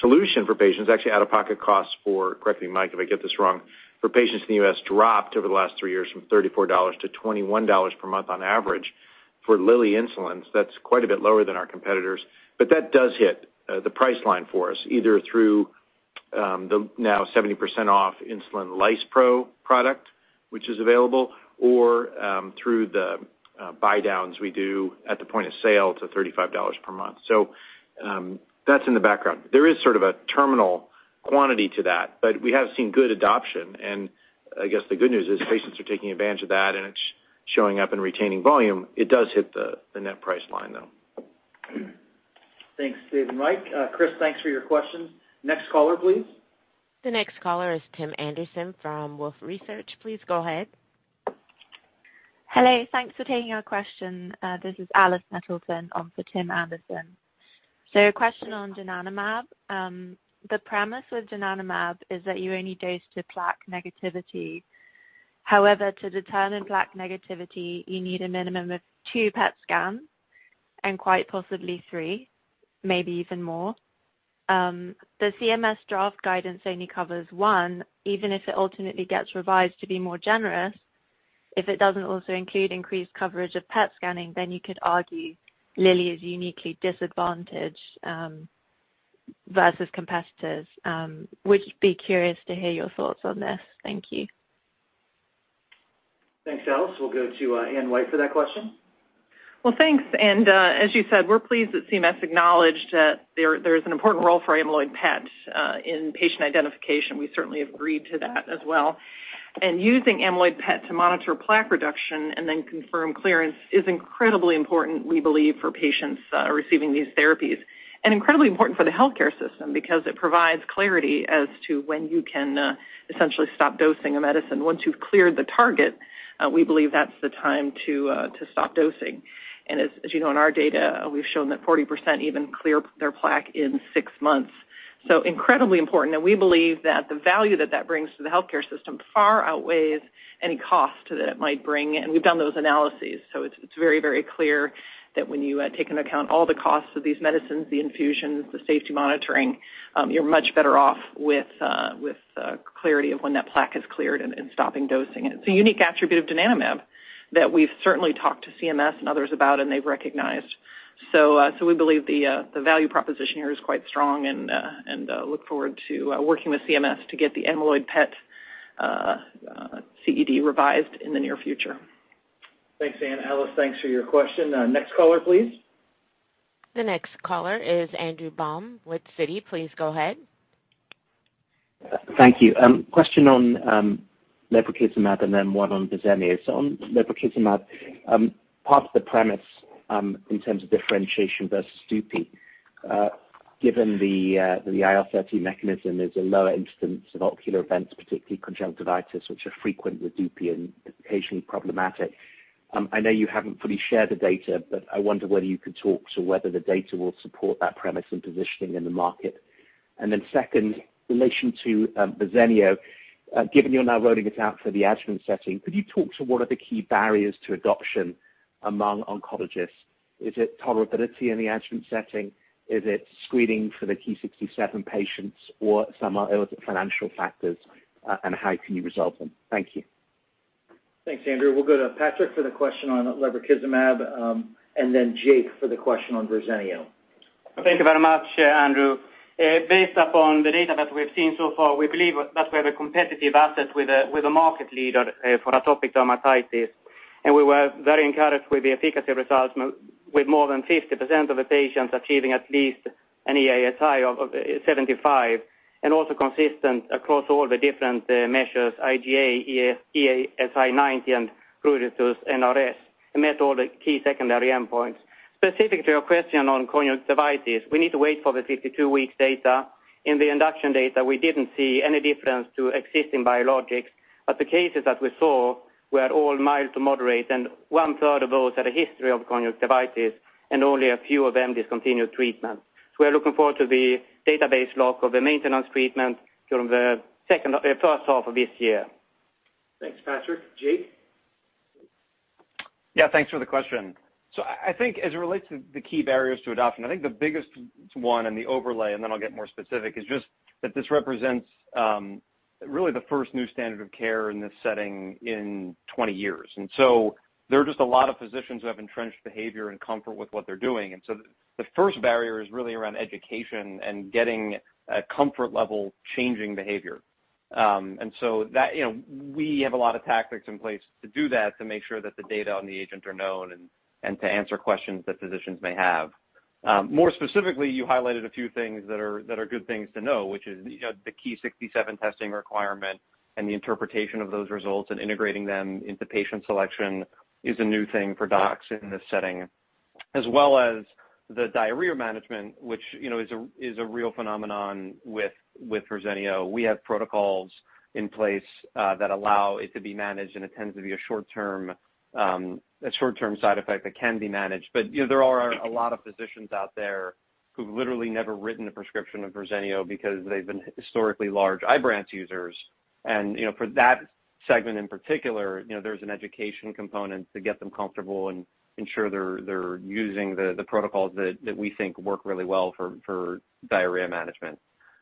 solution for patients. Actually out-of-pocket costs for, correct me Mike, if I get this wrong, for patients in the U.S. dropped over the last three years from $34-$21 per month on average. For Lilly insulins, that's quite a bit lower than our competitors. That does hit the price line for us, either through the now 70% off Insulin Lispro product, which is available, or through the buy downs we do at the point of sale to $35 per month. That's in the background. There is sort of a terminal quantity to that, but we have seen good adoption. I guess the good news is patients are taking advantage of that, and it's showing up in retaining volume. It does hit the net price line, though. Thanks, Dave and Mike. Chris, thanks for your questions. Next caller, please. The next caller is Tim Anderson from Wolfe Research. Please go ahead. Hello. Thanks for taking our question. This is Alice Nettleton on for Tim Anderson. A question on donanemab. The premise with donanemab is that you only dose to plaque negativity. However, to determine plaque negativity, you need a minimum of two PET scans and quite possibly three, maybe even more. The CMS draft guidance only covers one, even if it ultimately gets revised to be more generous. If it doesn't also include increased coverage of PET scanning, then you could argue Lilly is uniquely disadvantaged versus competitors. Would be curious to hear your thoughts on this. Thank you. Thanks, Alice. We'll go to Anne White for that question. Well, thanks. As you said, we're pleased that CMS acknowledged that there is an important role for amyloid PET in patient identification. We certainly agreed to that as well. Using amyloid PET to monitor plaque reduction and then confirm clearance is incredibly important, we believe, for patients receiving these therapies, and incredibly important for the healthcare system because it provides clarity as to when you can essentially stop dosing a medicine. Once you've cleared the target, we believe that's the time to stop dosing. As you know, in our data, we've shown that 40% even clear their plaque in six months. Incredibly important, and we believe that the value that that brings to the healthcare system far outweighs any cost that it might bring. We've done those analyses. It's very clear that when you take into account all the costs of these medicines, the infusions, the safety monitoring, you're much better off with clarity of when that plaque is cleared and stopping dosing. It's a unique attribute of donanemab that we've certainly talked to CMS and others about, and they've recognized. We believe the value proposition here is quite strong and look forward to working with CMS to get the amyloid PET CED revised in the near future. Thanks, Anne. Alice, thanks for your question. Next caller, please. The next caller is Andrew Baum with Citi. Please go ahead. Thank you. Question on lebrikizumab and then one on Verzenio. On lebrikizumab, part of the premise in terms of differentiation versus Dupixent, given the IL-13 mechanism, there's a lower incidence of ocular events, particularly conjunctivitis, which are frequent with Dupixent and occasionally problematic. I know you haven't fully shared the data, but I wonder whether you could talk to whether the data will support that premise and positioning in the market. Then second, in relation to Verzenio, given you're now rolling it out for the adjuvant setting, could you talk to what are the key barriers to adoption among oncologists? Is it tolerability in the adjuvant setting? Is it screening for the Ki-67 patients or some other financial factors, and how can you resolve them? Thank you. Thanks, Andrew. We'll go to Patrick for the question on lebrikizumab, and then Jake for the question on Verzenio. Thank you very much, Andrew. Based upon the data that we've seen so far, we believe that we have a competitive asset with a market leader for atopic dermatitis. We were very encouraged with the efficacy results with more than 50% of the patients achieving at least an EASI of 75, and also consistent across all the different measures, IGA, EASI 90 and Pruritus NRS, and met all the key secondary endpoints. Specifically, your question on conjunctivitis, we need to wait for the 52 weeks data. In the induction data, we didn't see any difference to existing biologics, but the cases that we saw were all mild to moderate, and one-third of those had a history of conjunctivitis, and only a few of them discontinued treatment. We're looking forward to the database lock of the maintenance treatment during the first half of this year. Thanks, Patrick. Jake? Yeah, thanks for the question. I think as it relates to the key barriers to adoption, I think the biggest one and the overlay, and then I'll get more specific, is just that this represents really the first new standard of care in this setting in 20 years. There are just a lot of physicians who have entrenched behavior and comfort with what they're doing. The first barrier is really around education and getting a comfort level changing behavior. That, you know, we have a lot of tactics in place to do that, to make sure that the data on the agent are known and to answer questions that physicians may have. More specifically, you highlighted a few things that are good things to know, which is, you know, the Ki-67 testing requirement and the interpretation of those results and integrating them into patient selection is a new thing for docs in this setting, as well as the diarrhea management, which, you know, is a real phenomenon with Verzenio. We have protocols in place that allow it to be managed, and it tends to be a short-term side effect that can be managed. You know, there are a lot of physicians out there who've literally never written a prescription of Verzenio because they've been historically large Ibrance users. You know, for that segment in particular, you know, there's an education component to get them comfortable and ensure they're using the protocols that we think work really well for diarrhea management.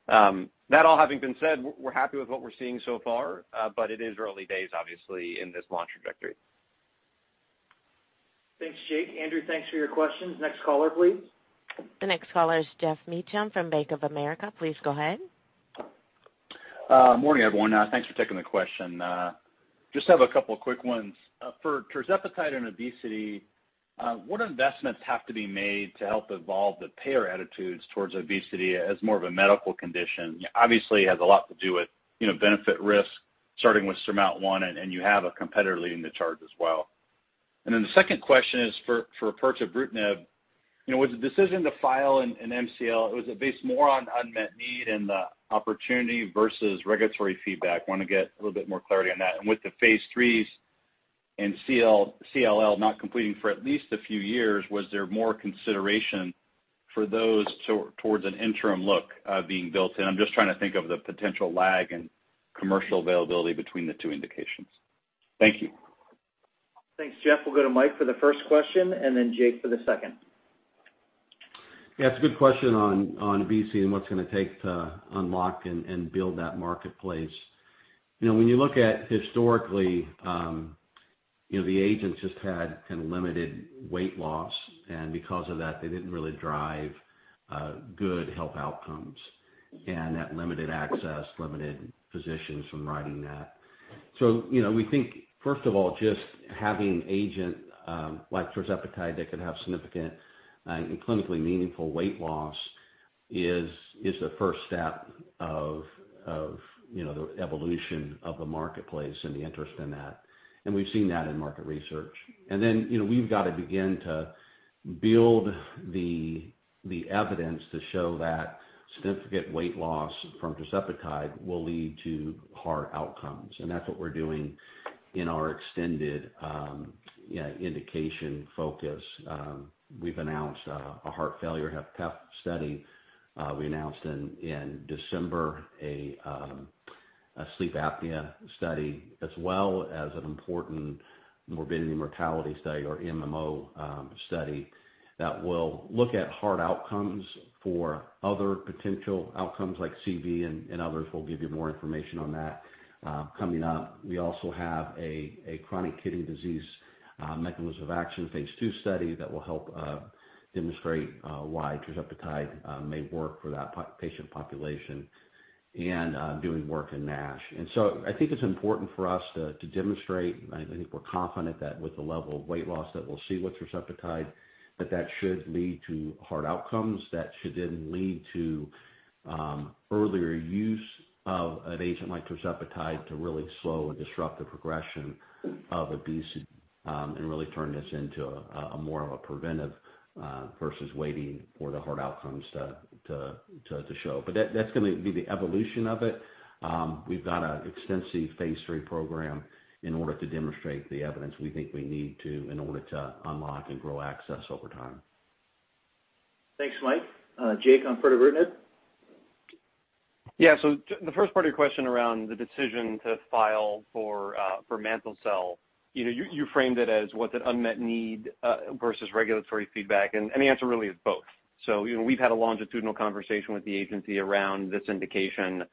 That all having been said, we're happy with what we're seeing so far, but it is early days obviously in this launch trajectory. Thanks, Jake. Andrew, thanks for your questions. Next caller, please. The next caller is Geoff Meacham from Bank of America. Please go ahead. Morning, everyone. Thanks for taking the question. I just have a couple quick ones. For tirzepatide and obesity, what investments have to be made to help evolve the payer attitudes towards obesity as more of a medical condition? Obviously, it has a lot to do with, you know, benefit risk, starting with SURMOUNT-1, and you have a competitor leading the charge as well. Then the second question is for pirtobrutinib. You know, was the decision to file in MCL based more on unmet need and the opportunity versus regulatory feedback? Wanna get a little bit more clarity on that. With the phase IIIs and CLL not completing for at least a few years, was there more consideration for those towards an interim look being built in? I'm just trying to think of the potential lag in commercial availability between the two indications. Thank you. Thanks, Geoff. We'll go to Mike for the first question and then Jacob for the second. Yeah, it's a good question on obesity and what it's gonna take to unlock and build that marketplace. You know, when you look at historically, you know, the agents just had kind of limited weight loss, and because of that, they didn't really drive good health outcomes. That limited access limited physicians from writing that. You know, we think, first of all, just having agent like tirzepatide that can have significant and clinically meaningful weight loss is the first step of the evolution of the marketplace and the interest in that. We've seen that in market research. Then, you know, we've got to begin to Build the evidence to show that significant weight loss from tirzepatide will lead to heart outcomes. That's what we're doing in our extended indication focus. We've announced a heart failure HFpEF study. We announced in December a sleep apnea study as well as an important morbidity mortality study or MACE study that will look at heart outcomes for other potential outcomes like CV and others. We'll give you more information on that coming up. We also have a chronic kidney disease mechanism of action phase II study that will help demonstrate why tirzepatide may work for that patient population and doing work in NASH. I think it's important for us to demonstrate. I think we're confident that with the level of weight loss that we'll see with tirzepatide, that should lead to heart outcomes that should then lead to earlier use of an agent like tirzepatide to really slow and disrupt the progression of obesity and really turn this into a more of a preventive versus waiting for the heart outcomes to show. But that's gonna be the evolution of it. We've got an extensive phase III program in order to demonstrate the evidence we think we need to in order to unlock and grow access over time. Thanks, Mike. Jake, on pirtobrutinib? Yeah. The first part of your question around the decision to file for mantle cell, you know, you framed it as what's an unmet need versus regulatory feedback, and the answer really is both. You know, we've had a longitudinal conversation with the agency around this indication,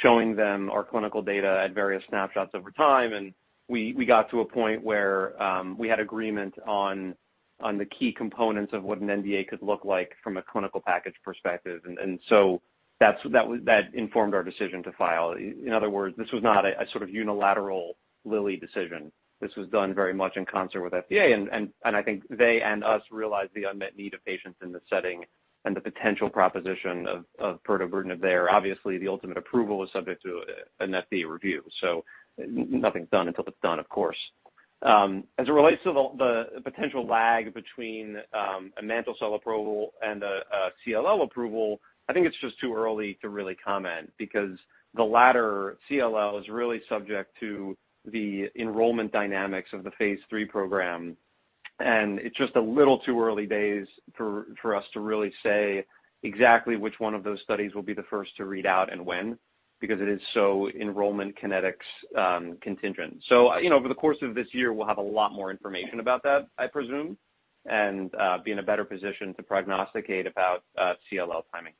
showing them our clinical data at various snapshots over time. We got to a point where we had agreement on the key components of what an NDA could look like from a clinical package perspective. That informed our decision to file. In other words, this was not a sort of unilateral Lilly decision. This was done very much in concert with FDA, and I think they and us realize the unmet need of patients in this setting and the potential proposition of pirtobrutinib there. Obviously, the ultimate approval is subject to an FDA review, so nothing's done until it's done, of course. As it relates to the potential lag between a mantle cell approval and a CLL approval, I think it's just too early to really comment because the latter CLL is really subject to the enrollment dynamics of the phase III program, and it's just a little too early days for us to really say exactly which one of those studies will be the first to read out and when, because it is so enrollment kinetics contingent. you know, over the course of this year, we'll have a lot more information about that, I presume, and be in a better position to prognosticate about CLL timing.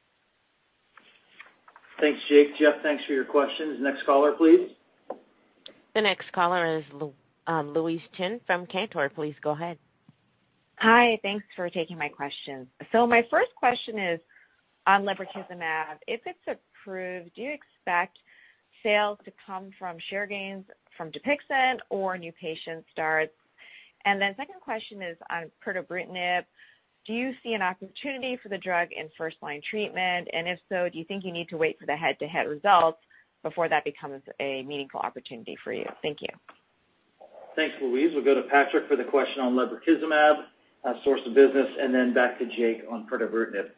Thanks, Jake. Geoff, thanks for your questions. Next caller, please. The next caller is Louise Chen from Cantor. Please go ahead. Hi. Thanks for taking my questions. My first question is on lebrikizumab. If it's approved, do you expect sales to come from share gains from Dupixent or new patient starts? Second question is on pirtobrutinib. Do you see an opportunity for the drug in first-line treatment? And if so, do you think you need to wait for the head-to-head results before that becomes a meaningful opportunity for you? Thank you. Thanks, Louise. We'll go to Patrik for the question on lebrikizumab, source of business, and then back to Jake on pirtobrutinib.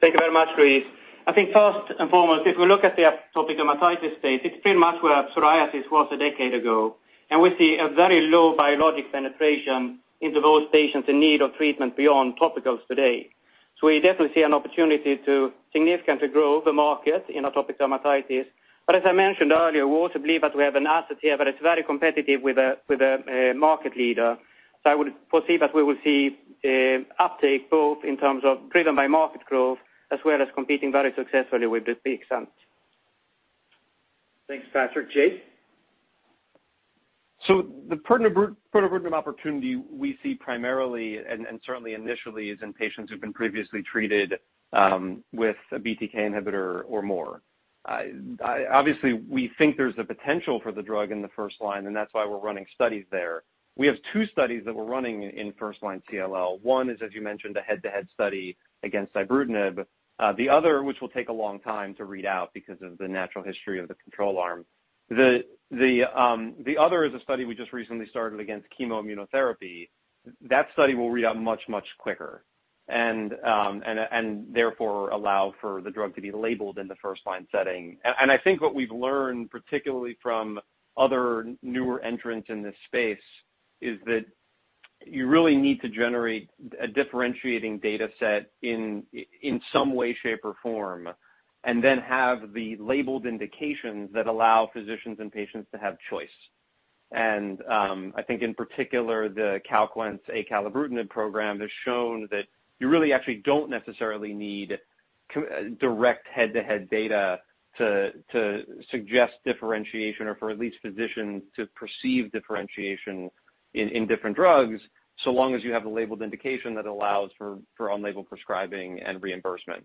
Thank you very much, Louise. I think first and foremost, if we look at the atopic dermatitis space, it's pretty much where psoriasis was a decade ago, and we see a very low biologic penetration into those patients in need of treatment beyond topicals today. We definitely see an opportunity to significantly grow the market in atopic dermatitis. As I mentioned earlier, we also believe that we have an asset here that is very competitive with a market leader. I would foresee that we will see uptake both in terms of driven by market growth as well as competing very successfully with Dupixent. Thanks, Patrik. Jake? The pirtobrutinib opportunity we see primarily and certainly initially is in patients who've been previously treated with a BTK inhibitor or more. Obviously, we think there's a potential for the drug in the first line, and that's why we're running studies there. We have two studies that we're running in first line CLL. One is, as you mentioned, a head-to-head study against ibrutinib, which will take a long time to read out because of the natural history of the control arm. The other is a study we just recently started against chemo immunotherapy. That study will read out much quicker and therefore allow for the drug to be labeled in the first line setting. I think what we've learned, particularly from other newer entrants in this space, is that you really need to generate a differentiating data set in some way, shape, or form, and then have the labeled indications that allow physicians and patients to have choice. I think in particular, the Calquence, acalabrutinib program, has shown that you really actually don't necessarily need direct head-to-head data to suggest differentiation or for at least physicians to perceive differentiation in different drugs, so long as you have a labeled indication that allows for unlabeled prescribing and reimbursement.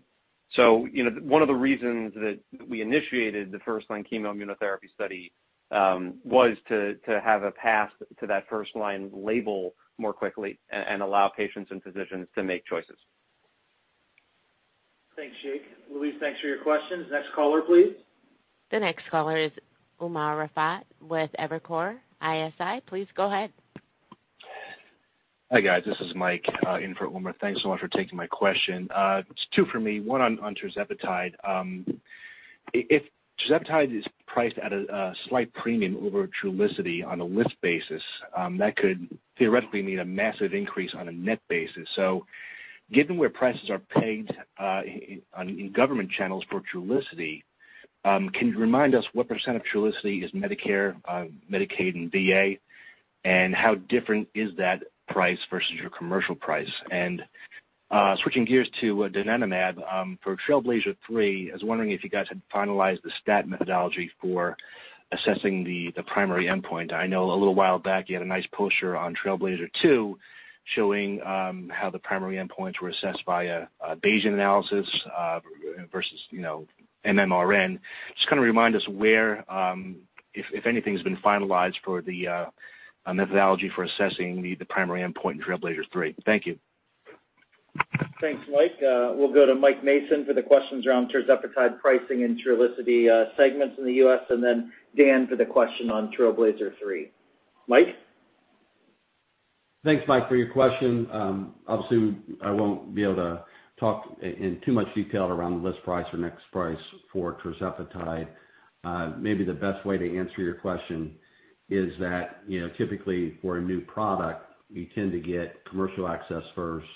You know, one of the reasons that we initiated the first-line chemo immunotherapy study was to have a path to that first-line label more quickly and allow patients and physicians to make choices. Thanks, Jake. Louise, thanks for your questions. Next caller, please. The next caller is Umer Raffat with Evercore ISI. Please go ahead. Hi, guys. This is Mike in for Umer. Thanks so much for taking my question. It's two for me, one on tirzepatide. If tirzepatide is priced at a slight premium over Trulicity on a list basis, that could theoretically mean a massive increase on a net basis. Given where prices are paid in government channels for Trulicity, can you remind us what % of Trulicity is Medicare, Medicaid, and VA? And how different is that price versus your commercial price? Switching gears to donanemab, for TRAILBLAZER-ALZ 3, I was wondering if you guys had finalized the stat methodology for assessing the primary endpoint. I know a little while back you had a nice poster on TRAILBLAZER-ALZ 2 showing how the primary endpoints were assessed via a Bayesian analysis versus MMRM. Just kind of remind us where if anything's been finalized for the methodology for assessing the primary endpoint in TRAILBLAZER-ALZ 3. Thank you. Thanks, Mike. We'll go to Mike Mason for the questions around Tirzepatide pricing and Trulicity segments in the U.S., and then Dan for the question on TRAILBLAZER-ALZ 3. Mike? Thanks, Mike, for your question. Obviously, I won't be able to talk in too much detail around the list price or net price for Tirzepatide. Maybe the best way to answer your question is that, you know, typically for a new product, you tend to get commercial access first,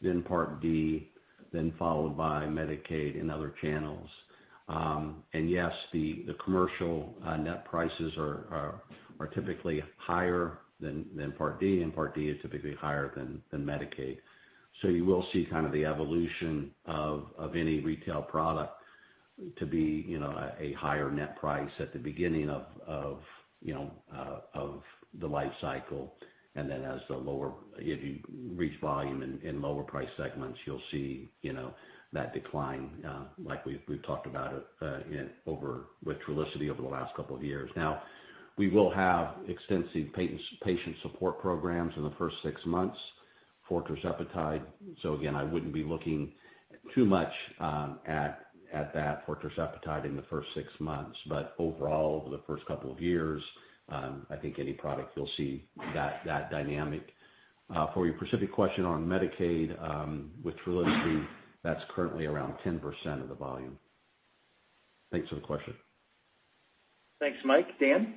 then Part D, then followed by Medicaid and other channels. Yes, the commercial net prices are typically higher than Part D, and Part D is typically higher than Medicaid. You will see kind of the evolution of any retail product to be, you know, a higher net price at the beginning of the life cycle. If you reach volume in lower price segments, you'll see, you know, that decline, like we've talked about, over with Trulicity over the last couple of years. Now, we will have extensive patient support programs in the first six months for tirzepatide. Again, I wouldn't be looking too much at that for tirzepatide in the first six months. Overall, over the first couple of years, I think any product you'll see that dynamic. For your specific question on Medicaid, with Trulicity, that's currently around 10% of the volume. Thanks for the question. Thanks, Mike. Dan?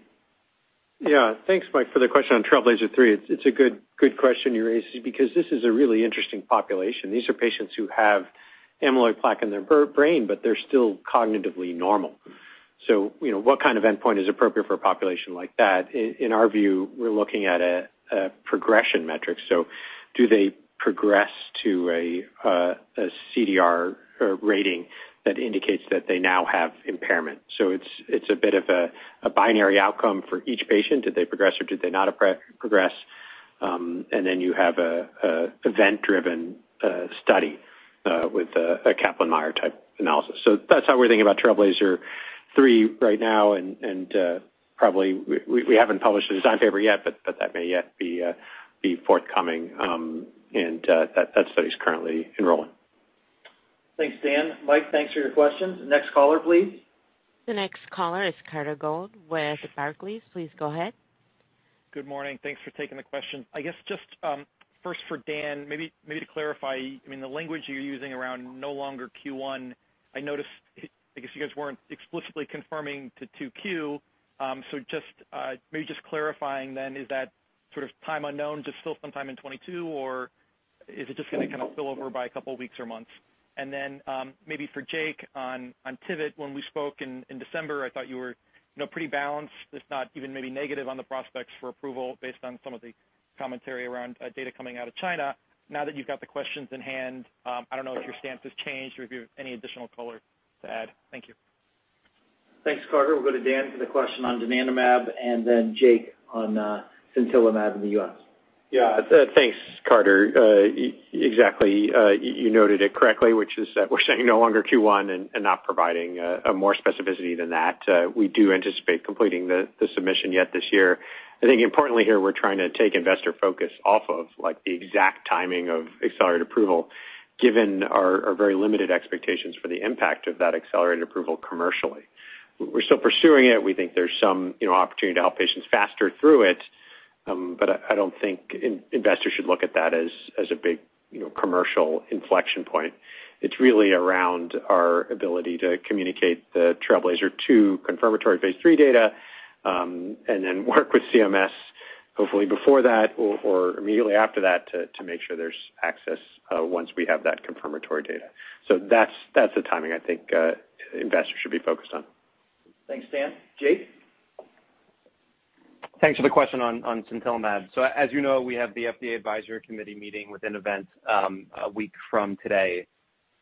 Yeah. Thanks, Mike, for the question on TRAILBLAZER-ALZ 3. It's a good question you raised because this is a really interesting population. These are patients who have amyloid plaque in their brain, but they're still cognitively normal. You know, what kind of endpoint is appropriate for a population like that? In our view, we're looking at a progression metric. Do they progress to a CDR or rating that indicates that they now have impairment? It's a bit of a binary outcome for each patient. Did they progress or did they not progress? You have an event-driven study with a Kaplan-Meier type analysis. That's how we're thinking about TRAILBLAZER-ALZ 3 right now. Probably we haven't published a design paper yet, but that may yet be forthcoming. That study's currently enrolling. Thanks, Dan. Mike, thanks for your questions. Next caller, please. The next caller is Carter Gould with Barclays. Please go ahead. Good morning. Thanks for taking the question. I guess just first for Dan, maybe to clarify, I mean, the language you're using around no longer Q1. I noticed I guess you guys weren't explicitly confirming to 2Q. So just maybe just clarifying then, is that sort of time unknown, just still sometime in 2022? Or is it just gonna kind of spill over by a couple weeks or months? Maybe for Jake on Tyvyt, when we spoke in December, I thought you were, you know, pretty balanced, if not even maybe negative on the prospects for approval based on some of the commentary around data coming out of China. Now that you've got the questions in hand, I don't know if your stance has changed or if you have any additional color to add. Thank you. Thanks, Carter. We'll go to Dan for the question on donanemab, and then Jake on sintilimab in the U.S. Yeah. Thanks, Carter. Exactly, you noted it correctly, which is that we're saying no longer Q1 and not providing any more specificity than that. We do anticipate completing the submission yet this year. I think importantly here, we're trying to take investor focus off of, like, the exact timing of accelerated approval given our very limited expectations for the impact of that accelerated approval commercially. We're still pursuing it. We think there's some, you know, opportunity to help patients faster through it. But I don't think investors should look at that as a big, you know, commercial inflection point. It's really around our ability to communicate the TRAILBLAZER-ALZ 2 confirmatory phase III data, and then work with CMS hopefully before that or immediately after that to make sure there's access, once we have that confirmatory data. That's the timing I think investors should be focused on. Thanks, Dan. Jake? Thanks for the question on sintilimab. As you know, we have the FDA advisory committee meeting with Innovent a week from today.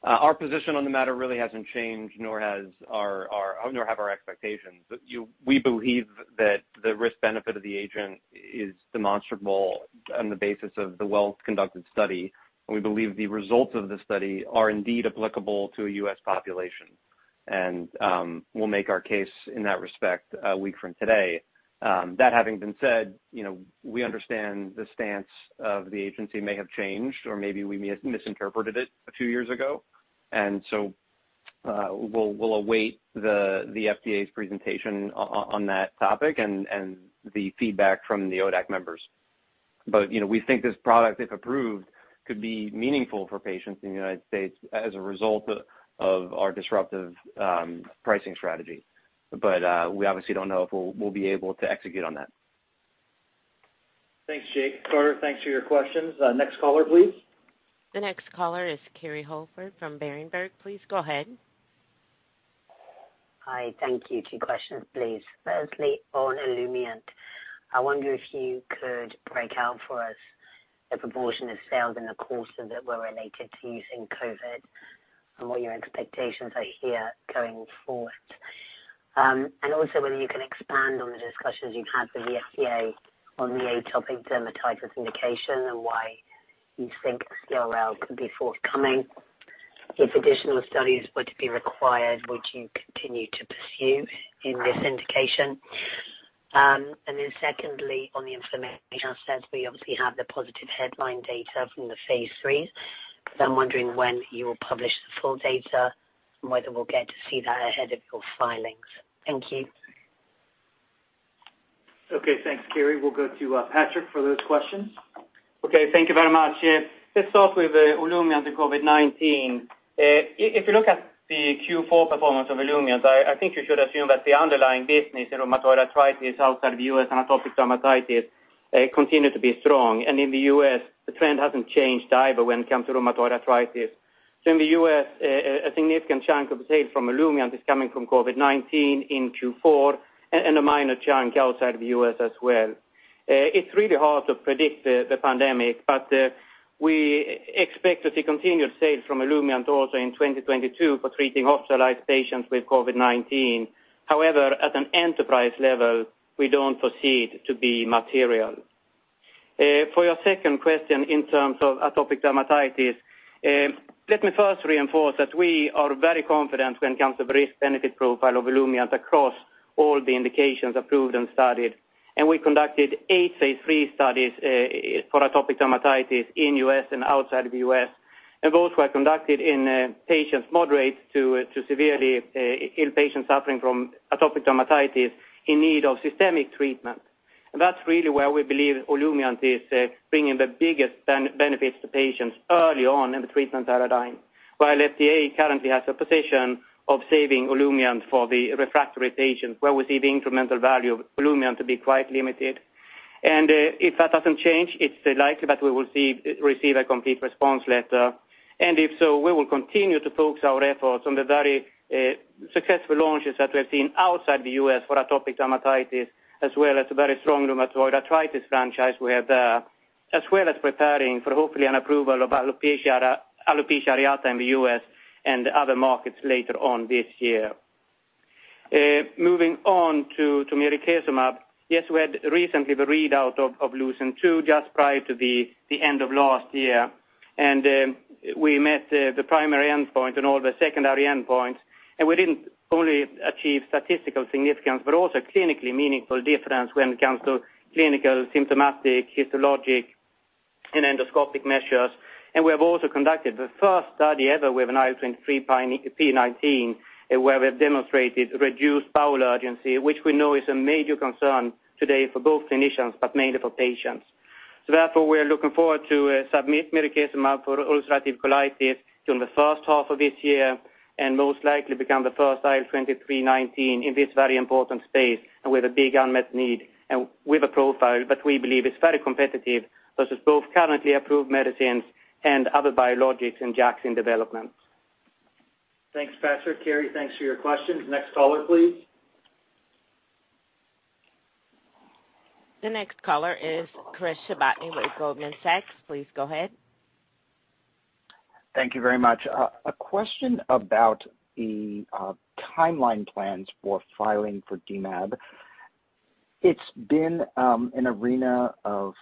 Our position on the matter really hasn't changed, nor have our expectations. We believe that the risk-benefit of the agent is demonstrable on the basis of the well-conducted study, and we believe the results of the study are indeed applicable to a U.S. population. We'll make our case in that respect a week from today. That having been said, you know, we understand the stance of the agency may have changed or maybe we misinterpreted it a few years ago. We'll await the FDA's presentation on that topic and the feedback from the ODAC members. You know, we think this product, if approved, could be meaningful for patients in the United States as a result of our disruptive pricing strategy. We obviously don't know if we'll be able to execute on that. Thanks, Jake. Carter, thanks for your questions. Next caller, please. The next caller is Kerry Holford from Berenberg. Please go ahead. Hi. Thank you. Two questions, please. Firstly, on Olumiant, I wonder if you could break out for us the proportion of sales in the quarter that were related to using COVID and what your expectations are here going forward. And also whether you can expand on the discussions you've had with the FDA on the atopic dermatitis indication and why you think the CRL could be forthcoming. If additional studies were to be required, would you continue to pursue in this indication? Secondly, on the inflammation assets, we obviously have the positive headline data from the phase III, but I'm wondering when you will publish the full data and whether we'll get to see that ahead of your filings. Thank you. Okay. Thanks, Kerry. We'll go to Patrik for those questions. Okay. Thank you very much. Yeah. Let's start with Olumiant and COVID-19. If you look at the Q4 performance of Olumiant, I think you should assume that the underlying business in rheumatoid arthritis outside the U.S. and atopic dermatitis continue to be strong. In the U.S., the trend hasn't changed either when it comes to rheumatoid arthritis. In the U.S., a significant chunk of the sales from Olumiant is coming from COVID-19 in Q4 and a minor chunk outside of the U.S. as well. It's really hard to predict the pandemic, but we expect to see continued sales from Olumiant also in 2022 for treating hospitalized patients with COVID-19. However, at an enterprise level, we don't foresee it to be material. For your second question in terms of atopic dermatitis, let me first reinforce that we are very confident when it comes to the risk benefit profile of Olumiant across all the indications approved and studied. We conducted eight phase III studies for atopic dermatitis in U.S. and outside of the U.S. Those were conducted in patients moderate to severely ill patients suffering from atopic dermatitis in need of systemic treatment. That's really where we believe Olumiant is bringing the biggest benefits to patients early on in the treatment paradigm. While FDA currently has a position of saving Olumiant for the refractory patients, where we see the incremental value of Olumiant to be quite limited. If that doesn't change, it's likely that we will receive a complete response letter. If so, we will continue to focus our efforts on the very successful launches that we've seen outside the U.S. for atopic dermatitis, as well as a very strong rheumatoid arthritis franchise we have there, as well as preparing for hopefully an approval of alopecia areata in the U.S. and other markets later on this year. Moving on to mirikizumab. Yes, we had recently the readout of LUCENT-2 just prior to the end of last year. We met the primary endpoint and all the secondary endpoints. We didn't only achieve statistical significance, but also clinically meaningful difference when it comes to clinical, symptomatic, histologic, and endoscopic measures. We have also conducted the first study ever with an IL-23p19, where we have demonstrated reduced bowel urgency, which we know is a major concern today for both clinicians, but mainly for patients. Therefore, we are looking forward to submit mirikizumab for ulcerative colitis during the first half of this year, and most likely become the first IL-23p19 in this very important space and with a big unmet need and with a profile that we believe is very competitive versus both currently approved medicines and other biologics and JAKs in development. Thanks, Patrik. Kerry, thanks for your questions. Next caller, please. The next caller is Chris Shibutani with Goldman Sachs. Please go ahead. Thank you very much. A question about the timeline plans for filing for dmab. It's been an arena of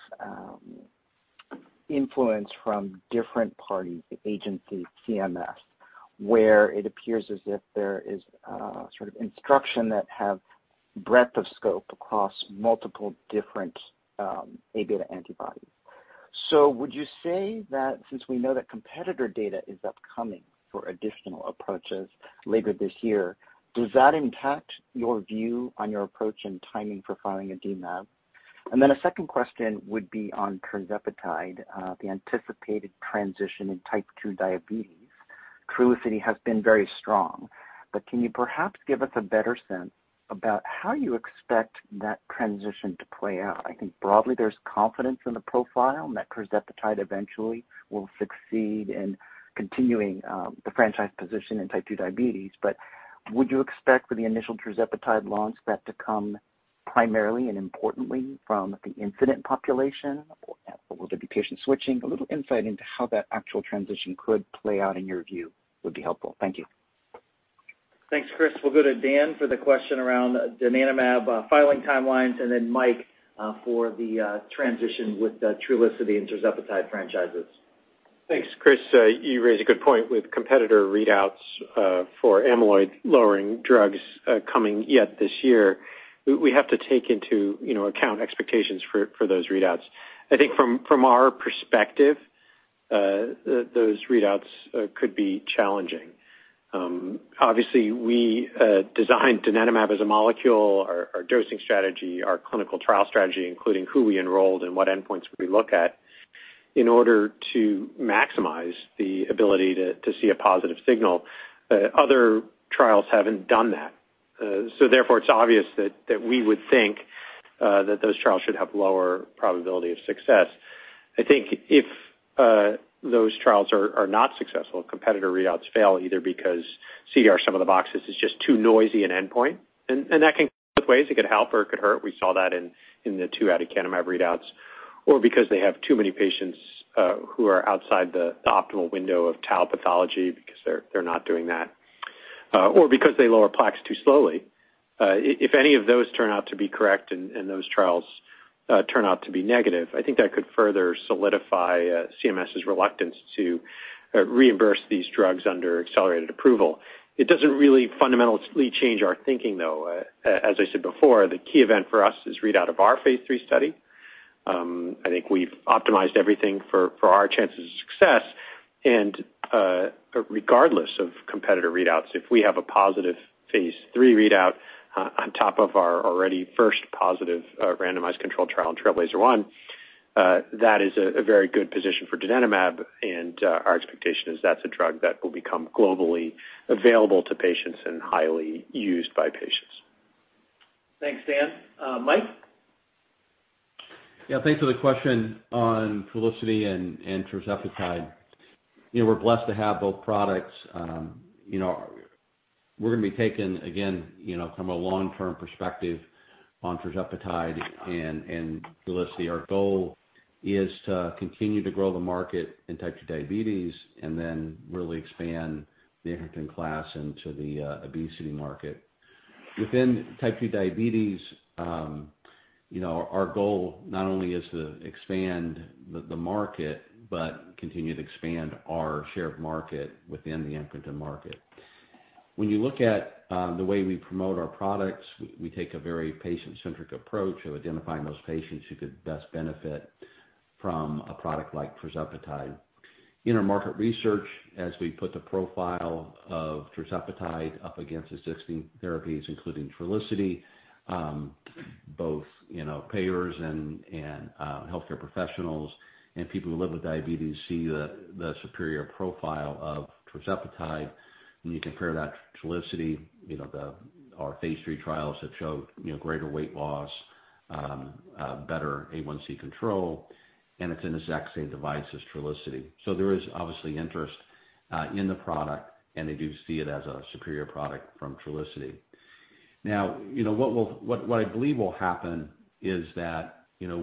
influence from different parties, the agency CMS, where it appears as if there is a sort of instruction that have breadth of scope across multiple different A-beta antibodies. Would you say that since we know that competitor data is upcoming for additional approaches later this year, does that impact your view on your approach and timing for filing a dmab? A second question would be on tirzepatide, the anticipated transition in Type 2 diabetes. Trulicity has been very strong, but can you perhaps give us a better sense about how you expect that transition to play out? I think broadly, there's confidence in the profile and that Tirzepatide eventually will succeed in continuing the franchise position in Type 2 diabetes. Would you expect for the initial tirzepatide launch that to come primarily and importantly from the incumbent population? Or will there be patient switching? A little insight into how that actual transition could play out in your view would be helpful. Thank you. Thanks, Chris. We'll go to Dan for the question around donanemab filing timelines, and then Mike for the transition with the Trulicity and tirzepatide franchises. Thanks, Chris. You raise a good point with competitor readouts for amyloid-lowering drugs coming yet this year. We have to take into, you know, account expectations for those readouts. I think from our perspective, those readouts could be challenging. Obviously, we designed donanemab as a molecule. Our dosing strategy, our clinical trial strategy, including who we enrolled and what endpoints we look at in order to maximize the ability to see a positive signal. Other trials haven't done that. So therefore, it's obvious that we would think that those trials should have lower probability of success. I think if those trials are not successful, competitor readouts fail, either because CDR-SB is just too noisy an endpoint. That can go both ways. It could help or it could hurt. We saw that in the two aducanumab readouts, because they have too many patients who are outside the optimal window of tau pathology because they're not doing that or because they lower plaques too slowly. If any of those turn out to be correct and those trials turn out to be negative, I think that could further solidify CMS's reluctance to reimburse these drugs under accelerated approval. It doesn't really fundamentally change our thinking, though. As I said before, the key event for us is readout of our phase III study. I think we've optimized everything for our chances of success. Regardless of competitor readouts, if we have a positive phase III readout on top of our already first positive randomized controlled trial in TRAILBLAZER-ALZ 1, that is a very good position for donanemab, and our expectation is that's a drug that will become globally available to patients and highly used by patients. Thanks, Dan. Mike? Yeah, thanks for the question on Trulicity and tirzepatide. You know, we're blessed to have both products. You know, we're gonna be taking again, you know, from a long-term perspective on tirzepatide and Trulicity. Our goal is to continue to grow the market in type 2 diabetes and then really expand the incretin class into the obesity market. Within type 2 diabetes, you know, our goal not only is to expand the market, but continue to expand our share of market within the incretin market. When you look at the way we promote our products, we take a very patient-centric approach of identifying those patients who could best benefit from a product like tirzepatide. In our market research, as we put the profile of tirzepatide up against existing therapies, including Trulicity, both, you know, payers and healthcare professionals and people who live with diabetes see the superior profile of tirzepatide, when you compare that to Trulicity, you know, our phase III trials have showed, you know, greater weight loss, better A1C control, and it's in the exact same device as Trulicity. There is obviously interest in the product, and they do see it as a superior product from Trulicity. Now, you know, what I believe will happen is that, you know,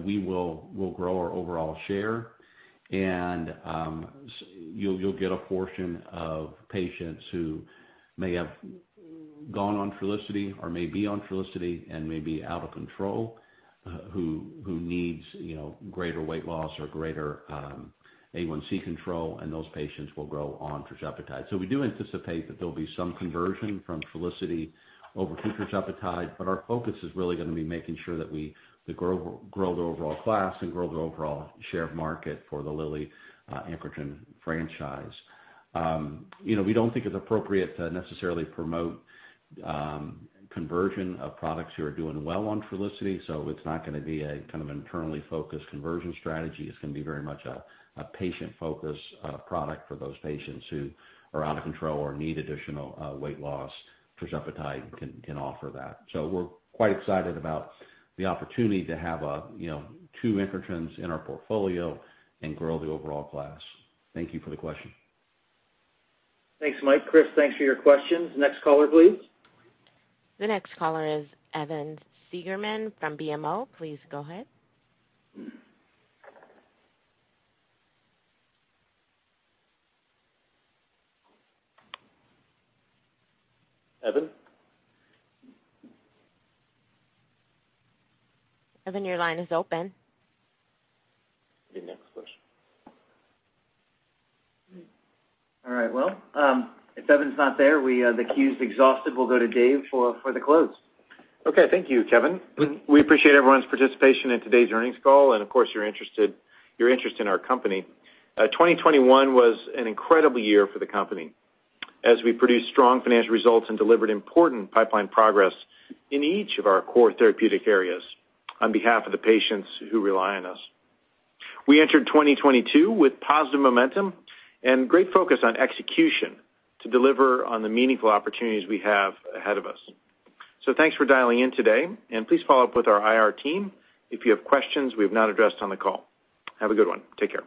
we'll grow our overall share, and you'll get a portion of patients who may have gone on Trulicity or may be on Trulicity and may be out of control, who needs, you know, greater weight loss or greater A1C control, and those patients will grow on tirzepatide. So we do anticipate that there'll be some conversion from Trulicity over to tirzepatide, but our focus is really gonna be making sure that we grow the overall class and grow the overall share of market for the Lilly incretin franchise. You know, we don't think it's appropriate to necessarily promote conversion of patients who are doing well on Trulicity, so it's not gonna be a kind of internally focused conversion strategy. It's gonna be very much a patient-focused product for those patients who are out of control or need additional weight loss. Tirzepatide can offer that. We're quite excited about the opportunity to have a, you know, two incretins in our portfolio and grow the overall class. Thank you for the question. Thanks, Mike. Chris, thanks for your questions. Next caller, please. The next caller is Evan Seigerman from BMO. Please go ahead. Evan? Evan, your line is open. The next question. All right, well, if Evan's not there, we, the queue's exhausted. We'll go to Dave for the close. Okay, thank you, Kevin. We appreciate everyone's participation in today's earnings call and of course, your interest in our company. 2021 was an incredible year for the company as we produced strong financial results and delivered important pipeline progress in each of our core therapeutic areas on behalf of the patients who rely on us. We entered 2022 with positive momentum and great focus on execution to deliver on the meaningful opportunities we have ahead of us. Thanks for dialing in today, and please follow up with our IR team if you have questions we've not addressed on the call. Have a good one. Take care.